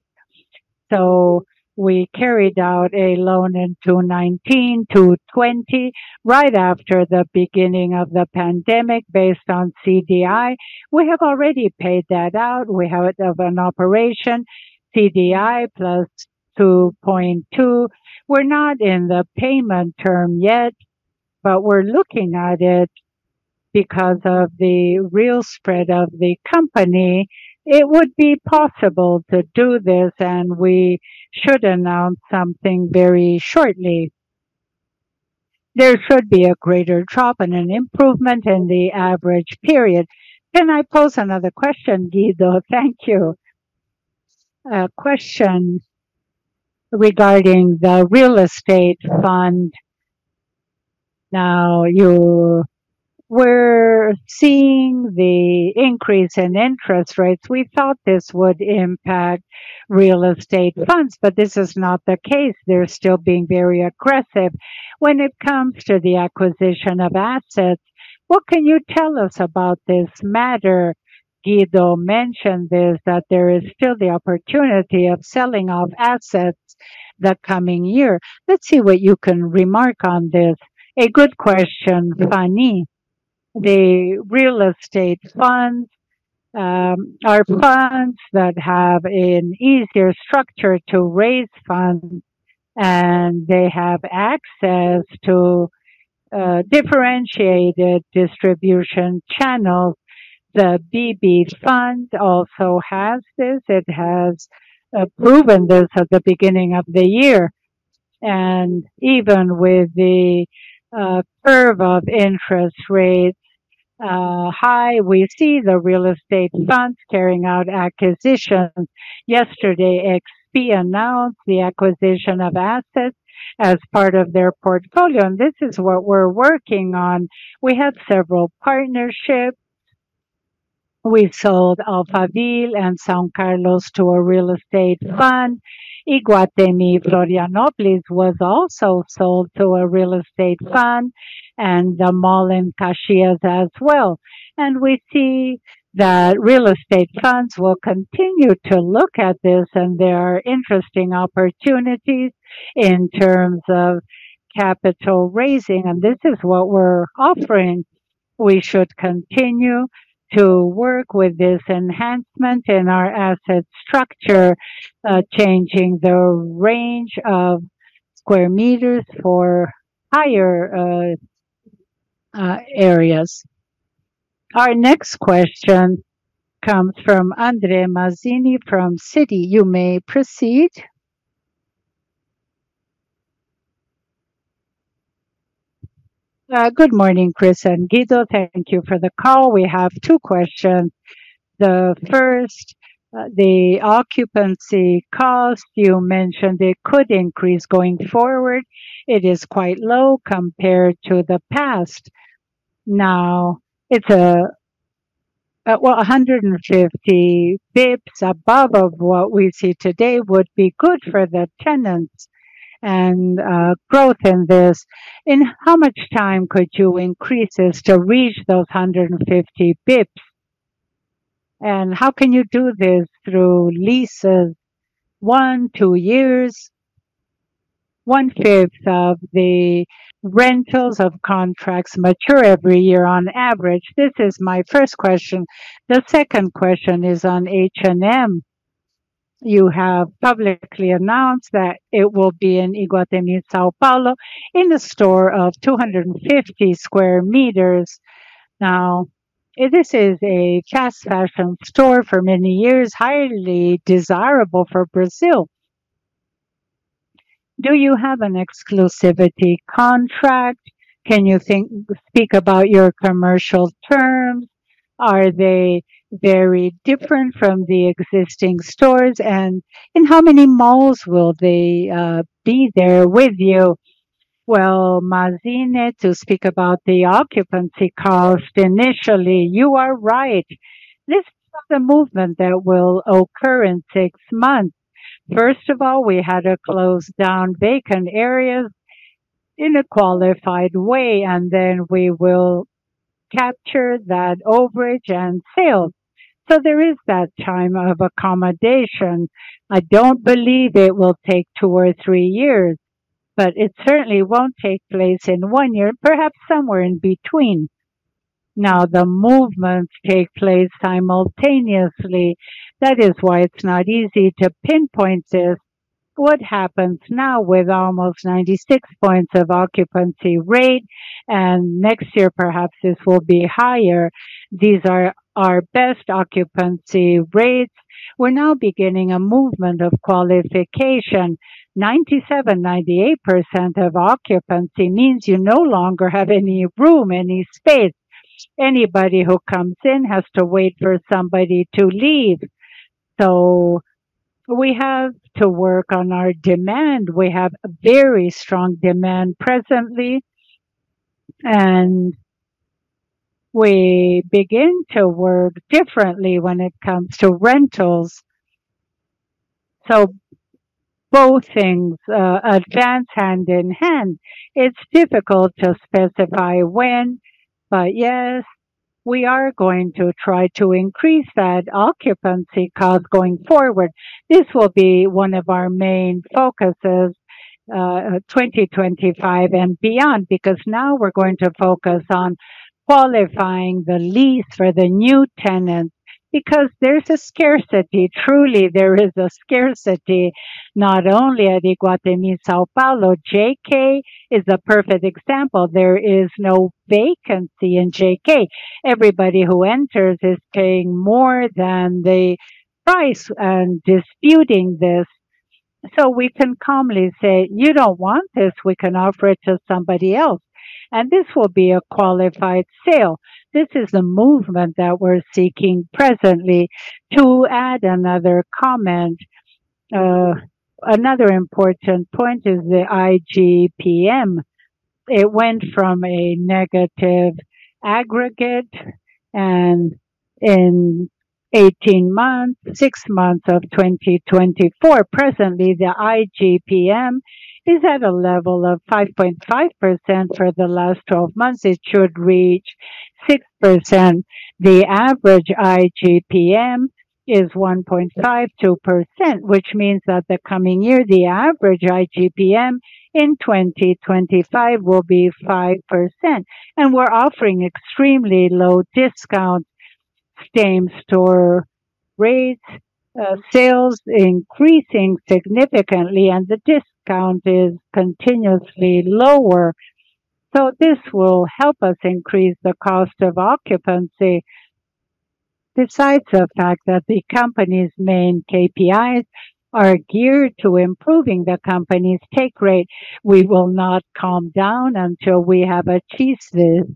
So, we carried out a loan in 2019, 2020, right after the beginning of the pandemic based on CDI. We have already paid that out. We have an operation, CDI plus 2.2. We're not in the payment term yet, but we're looking at it because of the real spread of the company. It would be possible to do this, and we should announce something very shortly. There should be a greater drop and an improvement in the average period. Can I pose another question, Guido? Thank you. A question regarding the real estate fund. Now, we're seeing the increase in interest rates. We thought this would impact real estate funds, but this is not the case. They're still being very aggressive. When it comes to the acquisition of assets, what can you tell us about this matter? Guido mentioned this, that there is still the opportunity of selling off assets the coming year. Let's see what you can remark on this. A good question, Fanny. The real estate funds are funds that have an easier structure to raise funds, and they have access to differentiated distribution channels. The BB Fund also has this. It has proven this at the beginning of the year, and even with the curve of interest rates high, we see the real estate funds carrying out acquisitions. Yesterday, XP announced the acquisition of assets as part of their portfolio, and this is what we're working on. We had several partnerships. We sold Alphaville and São Carlos to a real estate fund. Iguatemi Florianópolis was also sold to a real estate fund and the mall in Caxias as well. We see that real estate funds will continue to look at this, and there are interesting opportunities in terms of capital raising. And this is what we're offering. We should continue to work with this enhancement in our asset structure, changing the range of square meters for higher areas. Our next question comes from André Mazini from Citi. You may proceed. Good morning, Cristina and Guido. Thank you for the call. We have two questions. The first, the occupancy cost you mentioned, it could increase going forward. It is quite low compared to the past. Now, it's well, 150 basis points above of what we see today would be good for the tenants and growth in this. In how much time could you increase this to reach those 150 basis points? And how can you do this through leases? or two years, one-fifth of the rentals or contracts mature every year on average. This is my first question. The second question is on H&M. You have publicly announced that it will be in Iguatemi, São Paulo, in a store of 250 square meters. Now, this is a fast fashion store for many years, highly desirable for Brazil. Do you have an exclusivity contract? Can you speak about your commercial terms? Are they very different from the existing stores? And in how many malls will they be there with you? Well, Mazini, to speak about the occupancy cost initially, you are right. This is the movement that will occur in six months. First of all, we had a close-down vacant area in a qualified way, and then we will capture that overage in sales. So there is that time of accommodation. I don't believe it will take two or three years, but it certainly won't take place in one year, perhaps somewhere in between. Now, the movements take place simultaneously. That is why it's not easy to pinpoint this. What happens now with almost 96 points of occupancy rate, and next year perhaps this will be higher? These are our best occupancy rates. We're now beginning a movement of qualification. 97%-98% occupancy means you no longer have any room, any space. Anybody who comes in has to wait for somebody to leave. So we have to work on our demand. We have a very strong demand presently, and we begin to work differently when it comes to rentals. So both things advance hand in hand. It's difficult to specify when, but yes, we are going to try to increase that occupancy cost going forward. This will be one of our main focuses, 2025 and beyond, because now we're going to focus on qualifying the lease for the new tenants because there's a scarcity. Truly, there is a scarcity not only at Iguatemi São Paulo. JK is a perfect example. There is no vacancy in JK. Everybody who enters is paying more than the price and disputing this. So we can calmly say, "You don't want this. We can offer it to somebody else," and this will be a qualified sale. This is the movement that we're seeking presently. To add another comment, another important point is the IGP-M. It went from a negative aggregate and in 18 months, six months of 2024. Presently, the IGP-M is at a level of 5.5% for the last 12 months. It should reach 6%. The average IGP-M is 1.52%, which means that the coming year, the average IGP-M in 2025 will be 5%. And we're offering extremely low discounts, same store rates, sales increasing significantly, and the discount is continuously lower. So this will help us increase the cost of occupancy. Besides the fact that the company's main KPIs are geared to improving the company's take rate, we will not calm down until we have achieved this.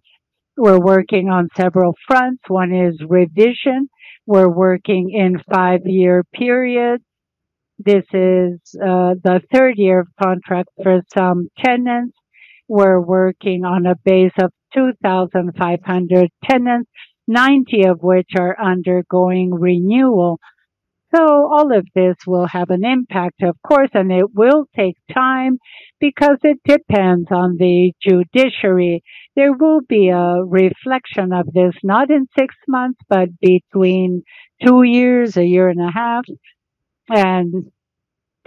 We're working on several fronts. One is revision. We're working in five-year periods. This is the third year of contract for some tenants. We're working on a base of 2,500 tenants, 90 of which are undergoing renewal. So all of this will have an impact, of course, and it will take time because it depends on the judiciary. There will be a reflection of this, not in six months, but between two years, a year and a half, and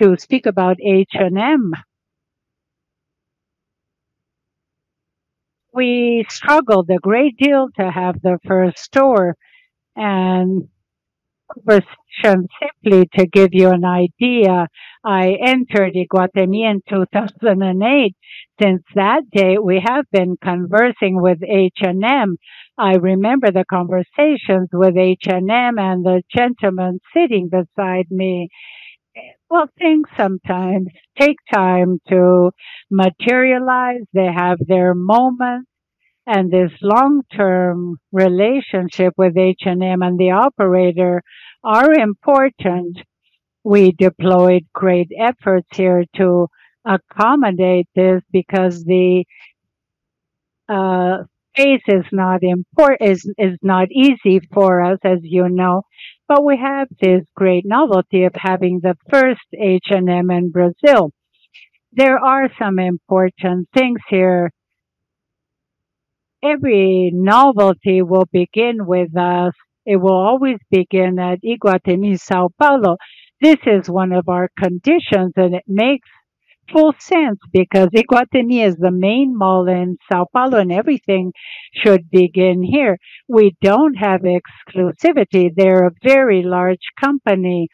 to speak about H&M, we struggled a great deal to have the first store, and just simply to give you an idea, I entered Iguatemi in 2008. Since that day, we have been conversing with H&M. I remember the conversations with H&M and the gentleman sitting beside me, well, things sometimes take time to materialize. They have their moments, and this long-term relationship with H&M and the operator are important. We deployed great efforts here to accommodate this because the space is not easy for us, as you know, but we have this great novelty of having the first H&M in Brazil. There are some important things here. Every novelty will begin with us. It will always begin at Iguatemi, São Paulo. This is one of our conditions, and it makes full sense because Iguatemi is the main mall in São Paulo, and everything should begin here. We don't have exclusivity. They're a very large company.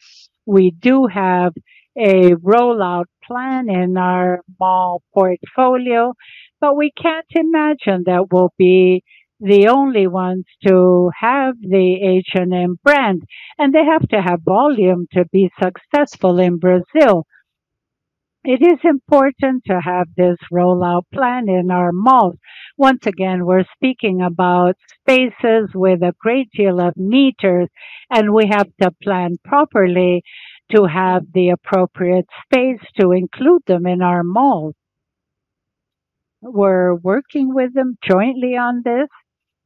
We do have a rollout plan in our mall portfolio, but we can't imagine that we'll be the only ones to have the H&M brand, and they have to have volume to be successful in Brazil. It is important to have this rollout plan in our malls. Once again, we're speaking about spaces with a great deal of meters, and we have to plan properly to have the appropriate space to include them in our malls. We're working with them jointly on this,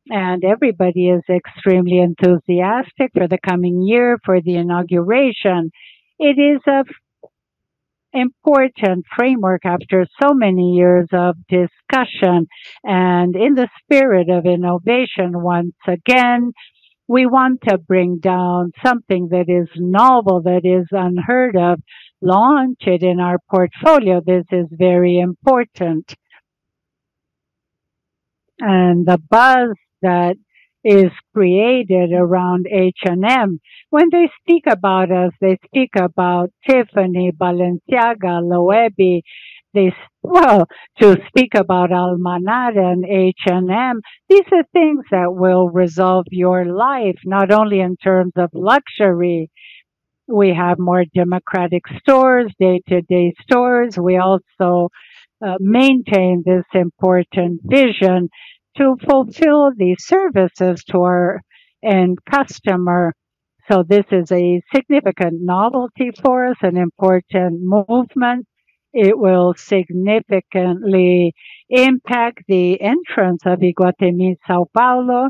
and everybody is extremely enthusiastic for the coming year, for the inauguration. It is an important framework after so many years of discussion. In the spirit of innovation, once again, we want to bring down something that is novel, that is unheard of, launched in our portfolio. This is very important. The buzz that is created around H&M, when they speak about us, they speak about Tiffany, Balenciaga, Loewe. To speak about Almanara and H&M, these are things that will resolve your life, not only in terms of luxury. We have more democratic stores, day-to-day stores. We also maintain this important vision to fulfill the services to our end customer. This is a significant novelty for us, an important movement. It will significantly impact the entrance of Iguatemi São Paulo.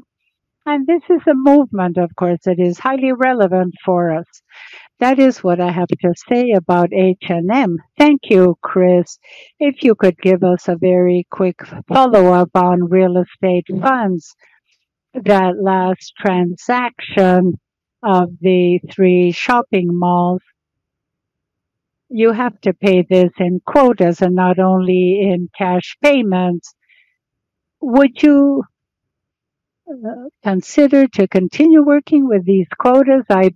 This is a movement, of course, that is highly relevant for us. That is what I have to say about H&M. Thank you, Cris. If you could give us a very quick follow-up on real estate funds, that last transaction of the three shopping malls, you have to pay this in quotas and not only in cash payments. Would you consider continuing to work with these quotas? I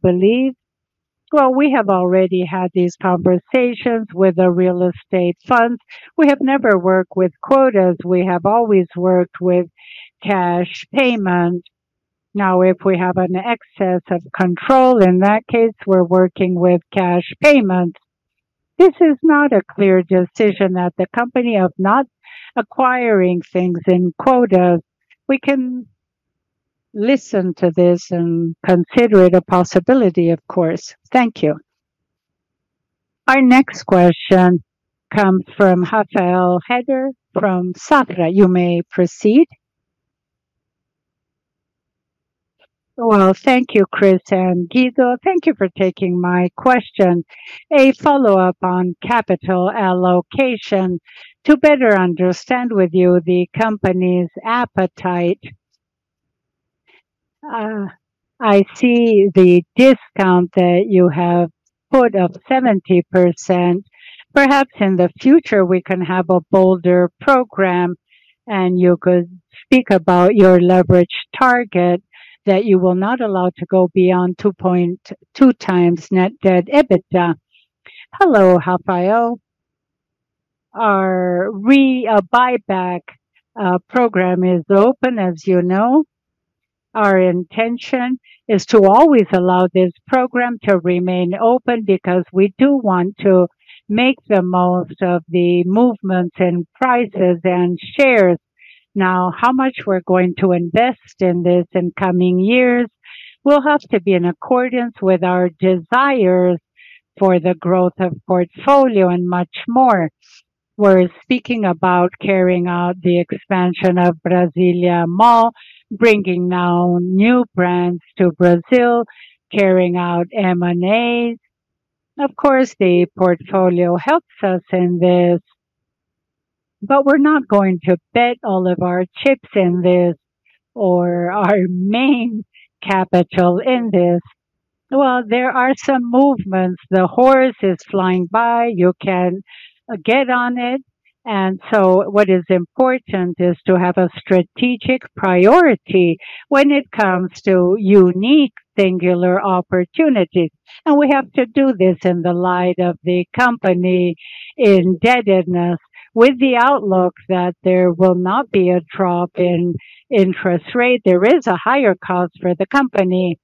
believe, well, we have already had these conversations with the real estate funds. We have never worked with quotas. We have always worked with cash payments. Now, if we exercise control, in that case, we're working with cash payments. This is not a clear decision that the company of not acquiring things in quotas. We can listen to this and consider it a possibility, of course. Thank you. Our next question comes from Rafael Rehder from Safra. You may proceed. Well, thank you, Cris and Guido. Thank you for taking my question. A follow-up on capital allocation to better understand with you the company's appetite. I see the discount that you have put of 70%. Perhaps in the future, we can have a bolder program, and you could speak about your leverage target that you will not allow to go beyond 2.2 times net debt EBITDA. Hello, Rafael. Our buyback program is open, as you know. Our intention is to always allow this program to remain open because we do want to make the most of the movements in prices and shares. Now, how much we're going to invest in this in coming years will have to be in accordance with our desires for the growth of portfolio and much more. We're speaking about carrying out the expansion of Brasília Shopping, bringing now new brands to Brazil, carrying out M&As. Of course, the portfolio helps us in this, but we're not going to bet all of our chips in this or our main capital in this. There are some movements. The horse is flying by. You can get on it. What is important is to have a strategic priority when it comes to unique singular opportunities. We have to do this in the light of the company indebtedness, with the outlook that there will not be a drop in interest rate. There is a higher cost for the company.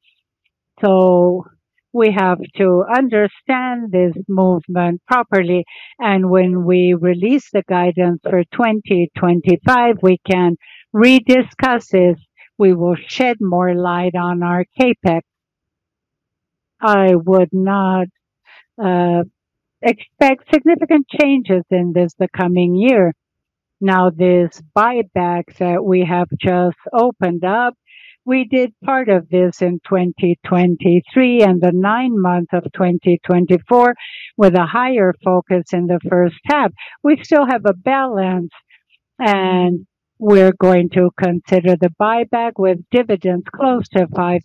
We have to understand this movement properly. When we release the guidance for 2025, we can rediscuss this. We will shed more light on our CapEx. I would not expect significant changes in this, the coming year. Now, this buyback that we have just opened up, we did part of this in 2023 and the nine months of 2024 with a higher focus in the first half. We still have a balance, and we're going to consider the buyback with dividends close to 5%.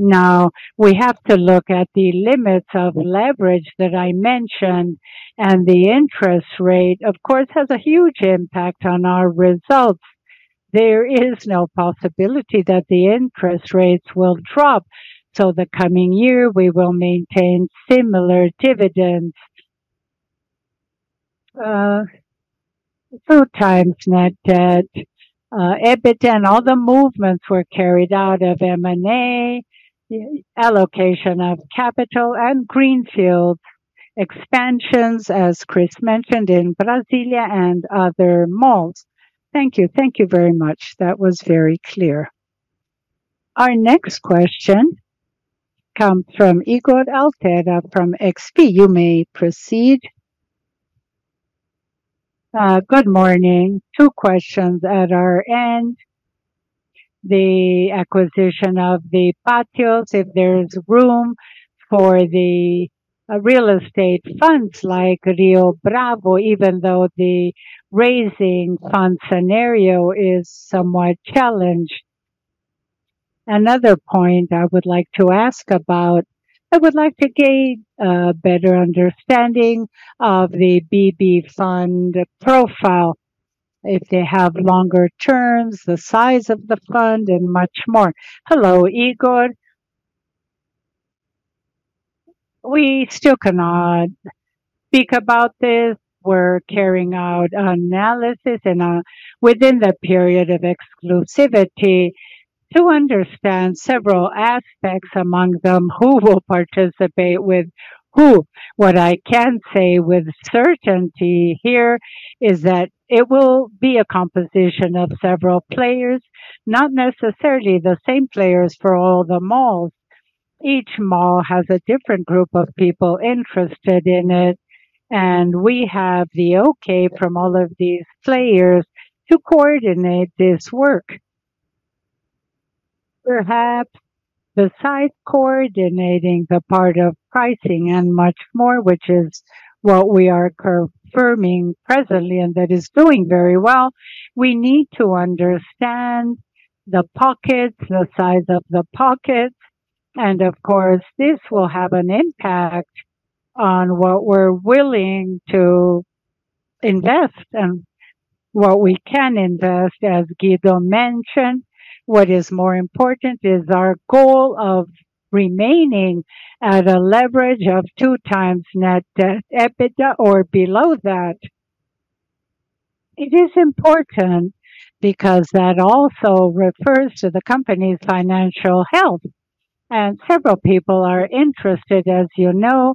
Now, we have to look at the limits of leverage that I mentioned, and the interest rate, of course, has a huge impact on our results. There is no possibility that the interest rates will drop. So the coming year, we will maintain similar dividends. Two times net debt EBITDA and all the movements were carried out of M&A, allocation of capital, and greenfield expansions, as Cris mentioned, in Brasília and other malls. Thank you. Thank you very much. That was very clear. Our next question comes from Ygor Altero from XP. You may proceed. Good morning. Two questions at our end. The acquisition of the Pátio, if there's room for the real estate funds like Rio Bravo, even though the raising fund scenario is somewhat challenged. Another point I would like to ask about, I would like to gain a better understanding of the BB Fund profile, if they have longer terms, the size of the fund, and much more. Hello, Igor. We still cannot speak about this. We're carrying out analysis within the period of exclusivity to understand several aspects, among them who will participate with who. What I can say with certainty here is that it will be a composition of several players, not necessarily the same players for all the malls. Each mall has a different group of people interested in it, and we have the okay from all of these players to coordinate this work. Perhaps besides coordinating the part of pricing and much more, which is what we are confirming presently and that is doing very well, we need to understand the pockets, the size of the pockets. And of course, this will have an impact on what we're willing to invest and what we can invest, as Guido mentioned. What is more important is our goal of remaining at a leverage of two times net debt EBITDA or below that. It is important because that also refers to the company's financial health. And several people are interested, as you know.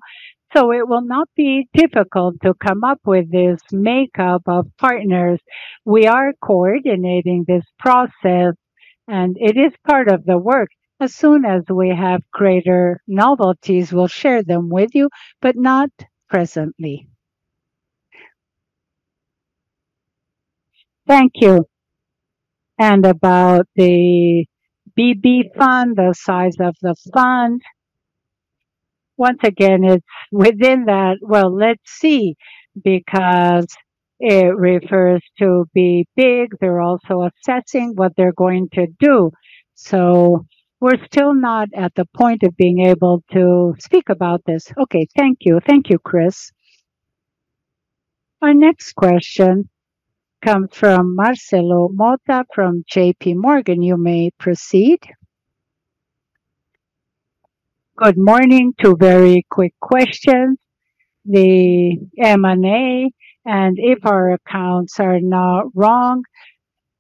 So it will not be difficult to come up with this makeup of partners. We are coordinating this process, and it is part of the work. As soon as we have greater novelties, we'll share them with you, but not presently. Thank you. And about the BB Fund, the size of the fund, once again, it's within that. Well, let's see, because it refers to BBBI. They're also assessing what they're going to do. So we're still not at the point of being able to speak about this. Okay, thank you. Thank you, Cris. Our next question comes from Marcelo Motta from J.P. Morgan. You may proceed. Good morning. Two very quick questions. The M&A, and if our accounts are not wrong,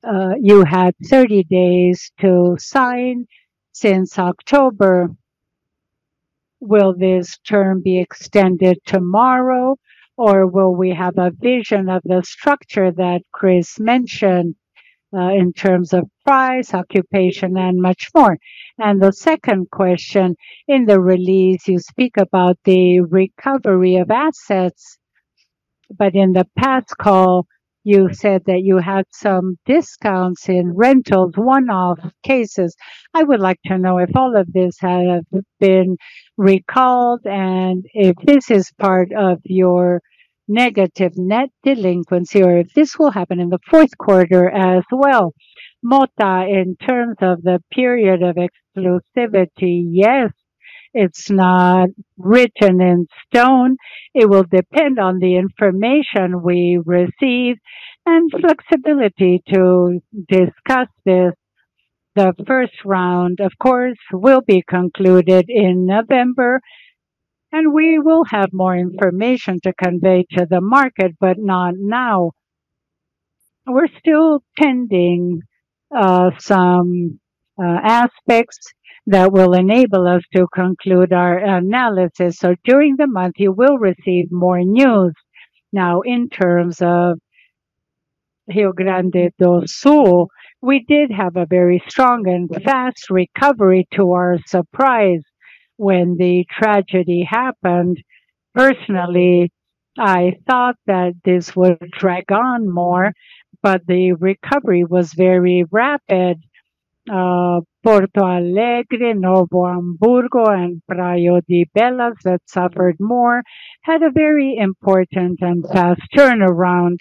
you had 30 days to sign since October. Will this term be extended tomorrow, or will we have a version of the structure that Cris mentioned in terms of price, occupancy, and much more? And the second question, in the release, you speak about the recovery of assets, but in the past call, you said that you had some discounts in rentals, one-off cases. I would like to know if all of this has been recalled and if this is part of your negative net delinquency or if this will happen in the fourth quarter as well? Motta, in terms of the period of exclusivity, yes, it's not written in stone. It will depend on the information we receive and flexibility to discuss this. The first round, of course, will be concluded in November, and we will have more information to convey to the market, but not now. We're still pending some aspects that will enable us to conclude our analysis. So during the month, you will receive more news. Now, in terms of Rio Grande do Sul, we did have a very strong and fast recovery, to our surprise, when the tragedy happened. Personally, I thought that this would drag on more, but the recovery was very rapid. Porto Alegre, Novo Hamburgo, and Praia de Belas that suffered more had a very important and fast turnaround,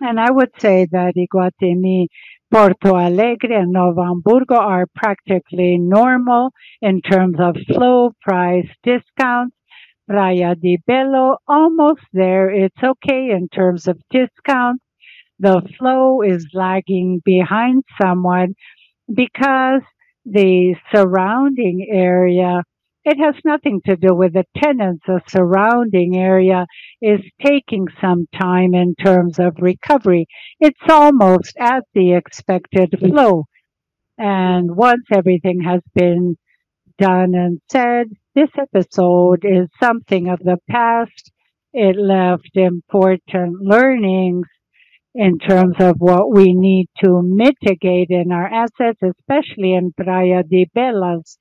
and I would say that Iguatemi Porto Alegre, and Novo Hamburgo are practically normal in terms of flow, price, discounts. Praia de Belas, almost there. It's okay in terms of discount. The flow is lagging behind somewhat because the surrounding area, it has nothing to do with the tenants. The surrounding area is taking some time in terms of recovery. It's almost at the expected flow, and once everything has been done and said, this episode is something of the past. It left important learnings in terms of what we need to mitigate in our assets, especially in Praia de Belas.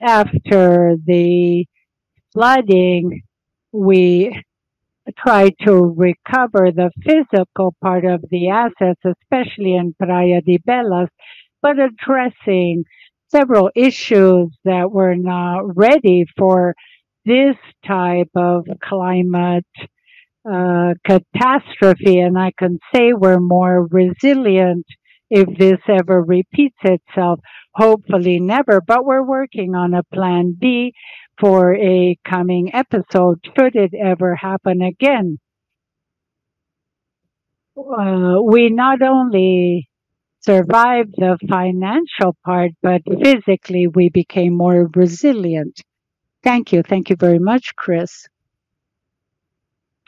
After the flooding, we tried to recover the physical part of the assets, especially in Praia de Belas, but addressing several issues that were not ready for this type of climate catastrophe. And I can say we're more resilient if this ever repeats itself. Hopefully, never, but we're working on a plan B for a coming episode. Should it ever happen again, we not only survived the financial part, but physically, we became more resilient. Thank you. Thank you very much, Cris.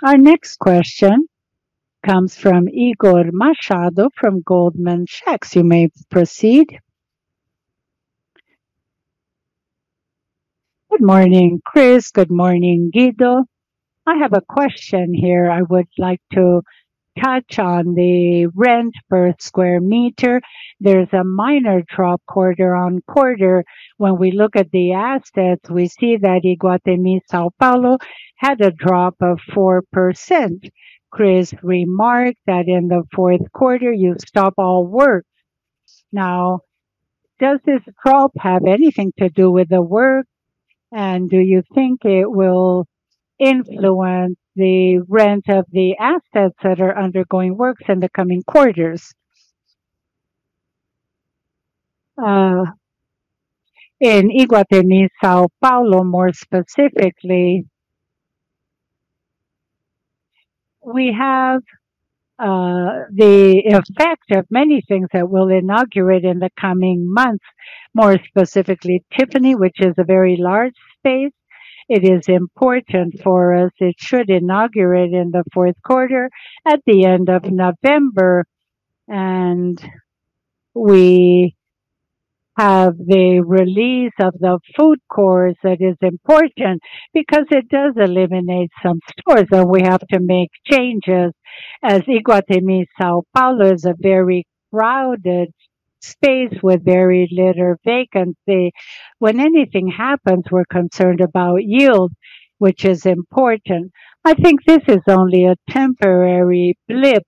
Our next question comes from Igor Machado from Goldman Sachs. You may proceed. Good morning, Cris. Good morning, Guido. I have a question here. I would like to touch on the rent per square meter. There's a minor drop quarter on quarter. When we look at the assets, we see that Iguatemi São Paulo had a drop of 4%. Cris remarked that in the fourth quarter, you stopped all work. Now, does this drop have anything to do with the work? And do you think it will influence the rent of the assets that are undergoing works in the coming quarters? In Iguatemi São Paulo, more specifically, we have the effect of many things that will inaugurate in the coming months, more specifically Tiffany, which is a very large space. It is important for us. It should inaugurate in the fourth quarter at the end of November. And we have the release of the food court that is important because it does eliminate some stores, and we have to make changes. At Iguatemi São Paulo is a very crowded space with very little vacancy. When anything happens, we're concerned about yield, which is important. I think this is only a temporary blip.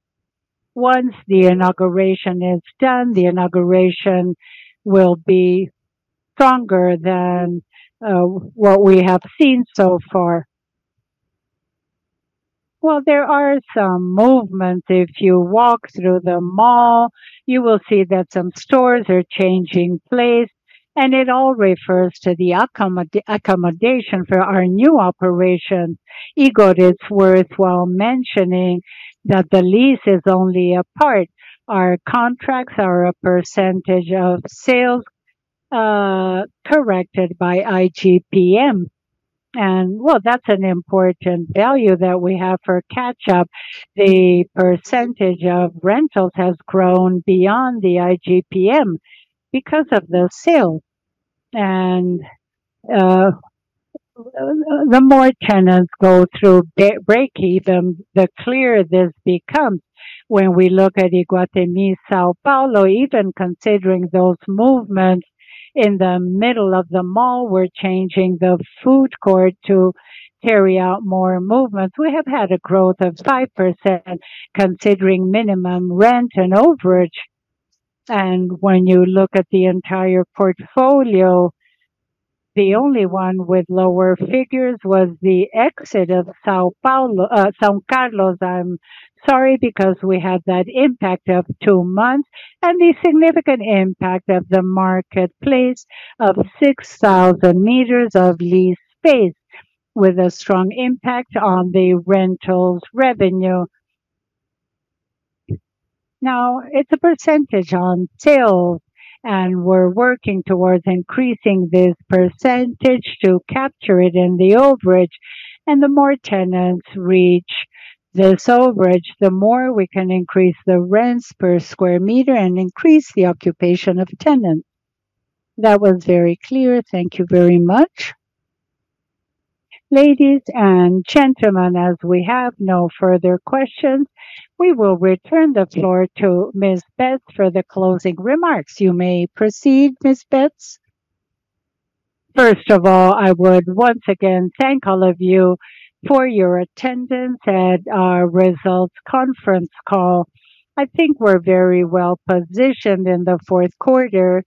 Once the inauguration is done, the inauguration will be stronger than what we have seen so far. There are some movements. If you walk through the mall, you will see that some stores are changing place, and it all refers to the accommodation for our new operation. Igor, it's worthwhile mentioning that the lease is only a part. Our contracts are a percentage of sales corrected by IGP-M. That's an important value that we have for catch-up. The percentage of rentals has grown beyond the IGP-M because of the sale. The more tenants go through break-even, the clearer this becomes. When we look at Iguatemi São Paulo, even considering those movements in the middle of the mall, we're changing the food court to carry out more movements. We have had a growth of 5% considering minimum rent and overage. When you look at the entire portfolio, the only one with lower figures was the exit of São Paulo. São Carlos, I'm sorry, because we had that impact of two months and the significant impact of the Market Place of 6,000 meters of lease space, with a strong impact on the rentals revenue. Now, it's a percentage on sales, and we're working towards increasing this percentage to capture it in the overage. The more tenants reach this overage, the more we can increase the rents per square meter and increase the occupation of tenants. That was very clear. Thank you very much. Ladies and gentlemen, as we have no further questions, we will return the floor to Ms. Betts for the closing remarks. You may proceed, Ms. Betts. First of all, I would once again thank all of you for your attendance at our results conference call. I think we're very well positioned in the fourth quarter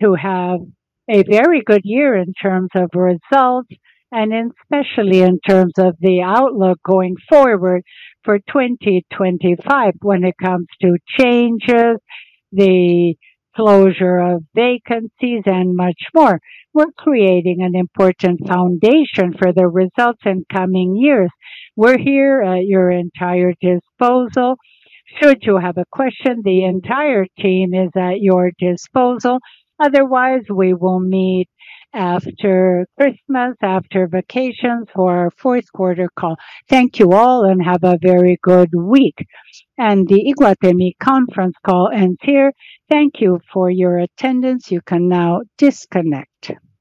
to have a very good year in terms of results, and especially in terms of the outlook going forward for 2025 when it comes to changes, the closure of vacancies, and much more. We're creating an important foundation for the results in coming years. We're here at your entire disposal. Should you have a question, the entire team is at your disposal. Otherwise, we will meet after Christmas, after vacations, for our fourth quarter call. Thank you all, and have a very good week. And the Iguatemi conference call ends here. Thank you for your attendance. You can now disconnect.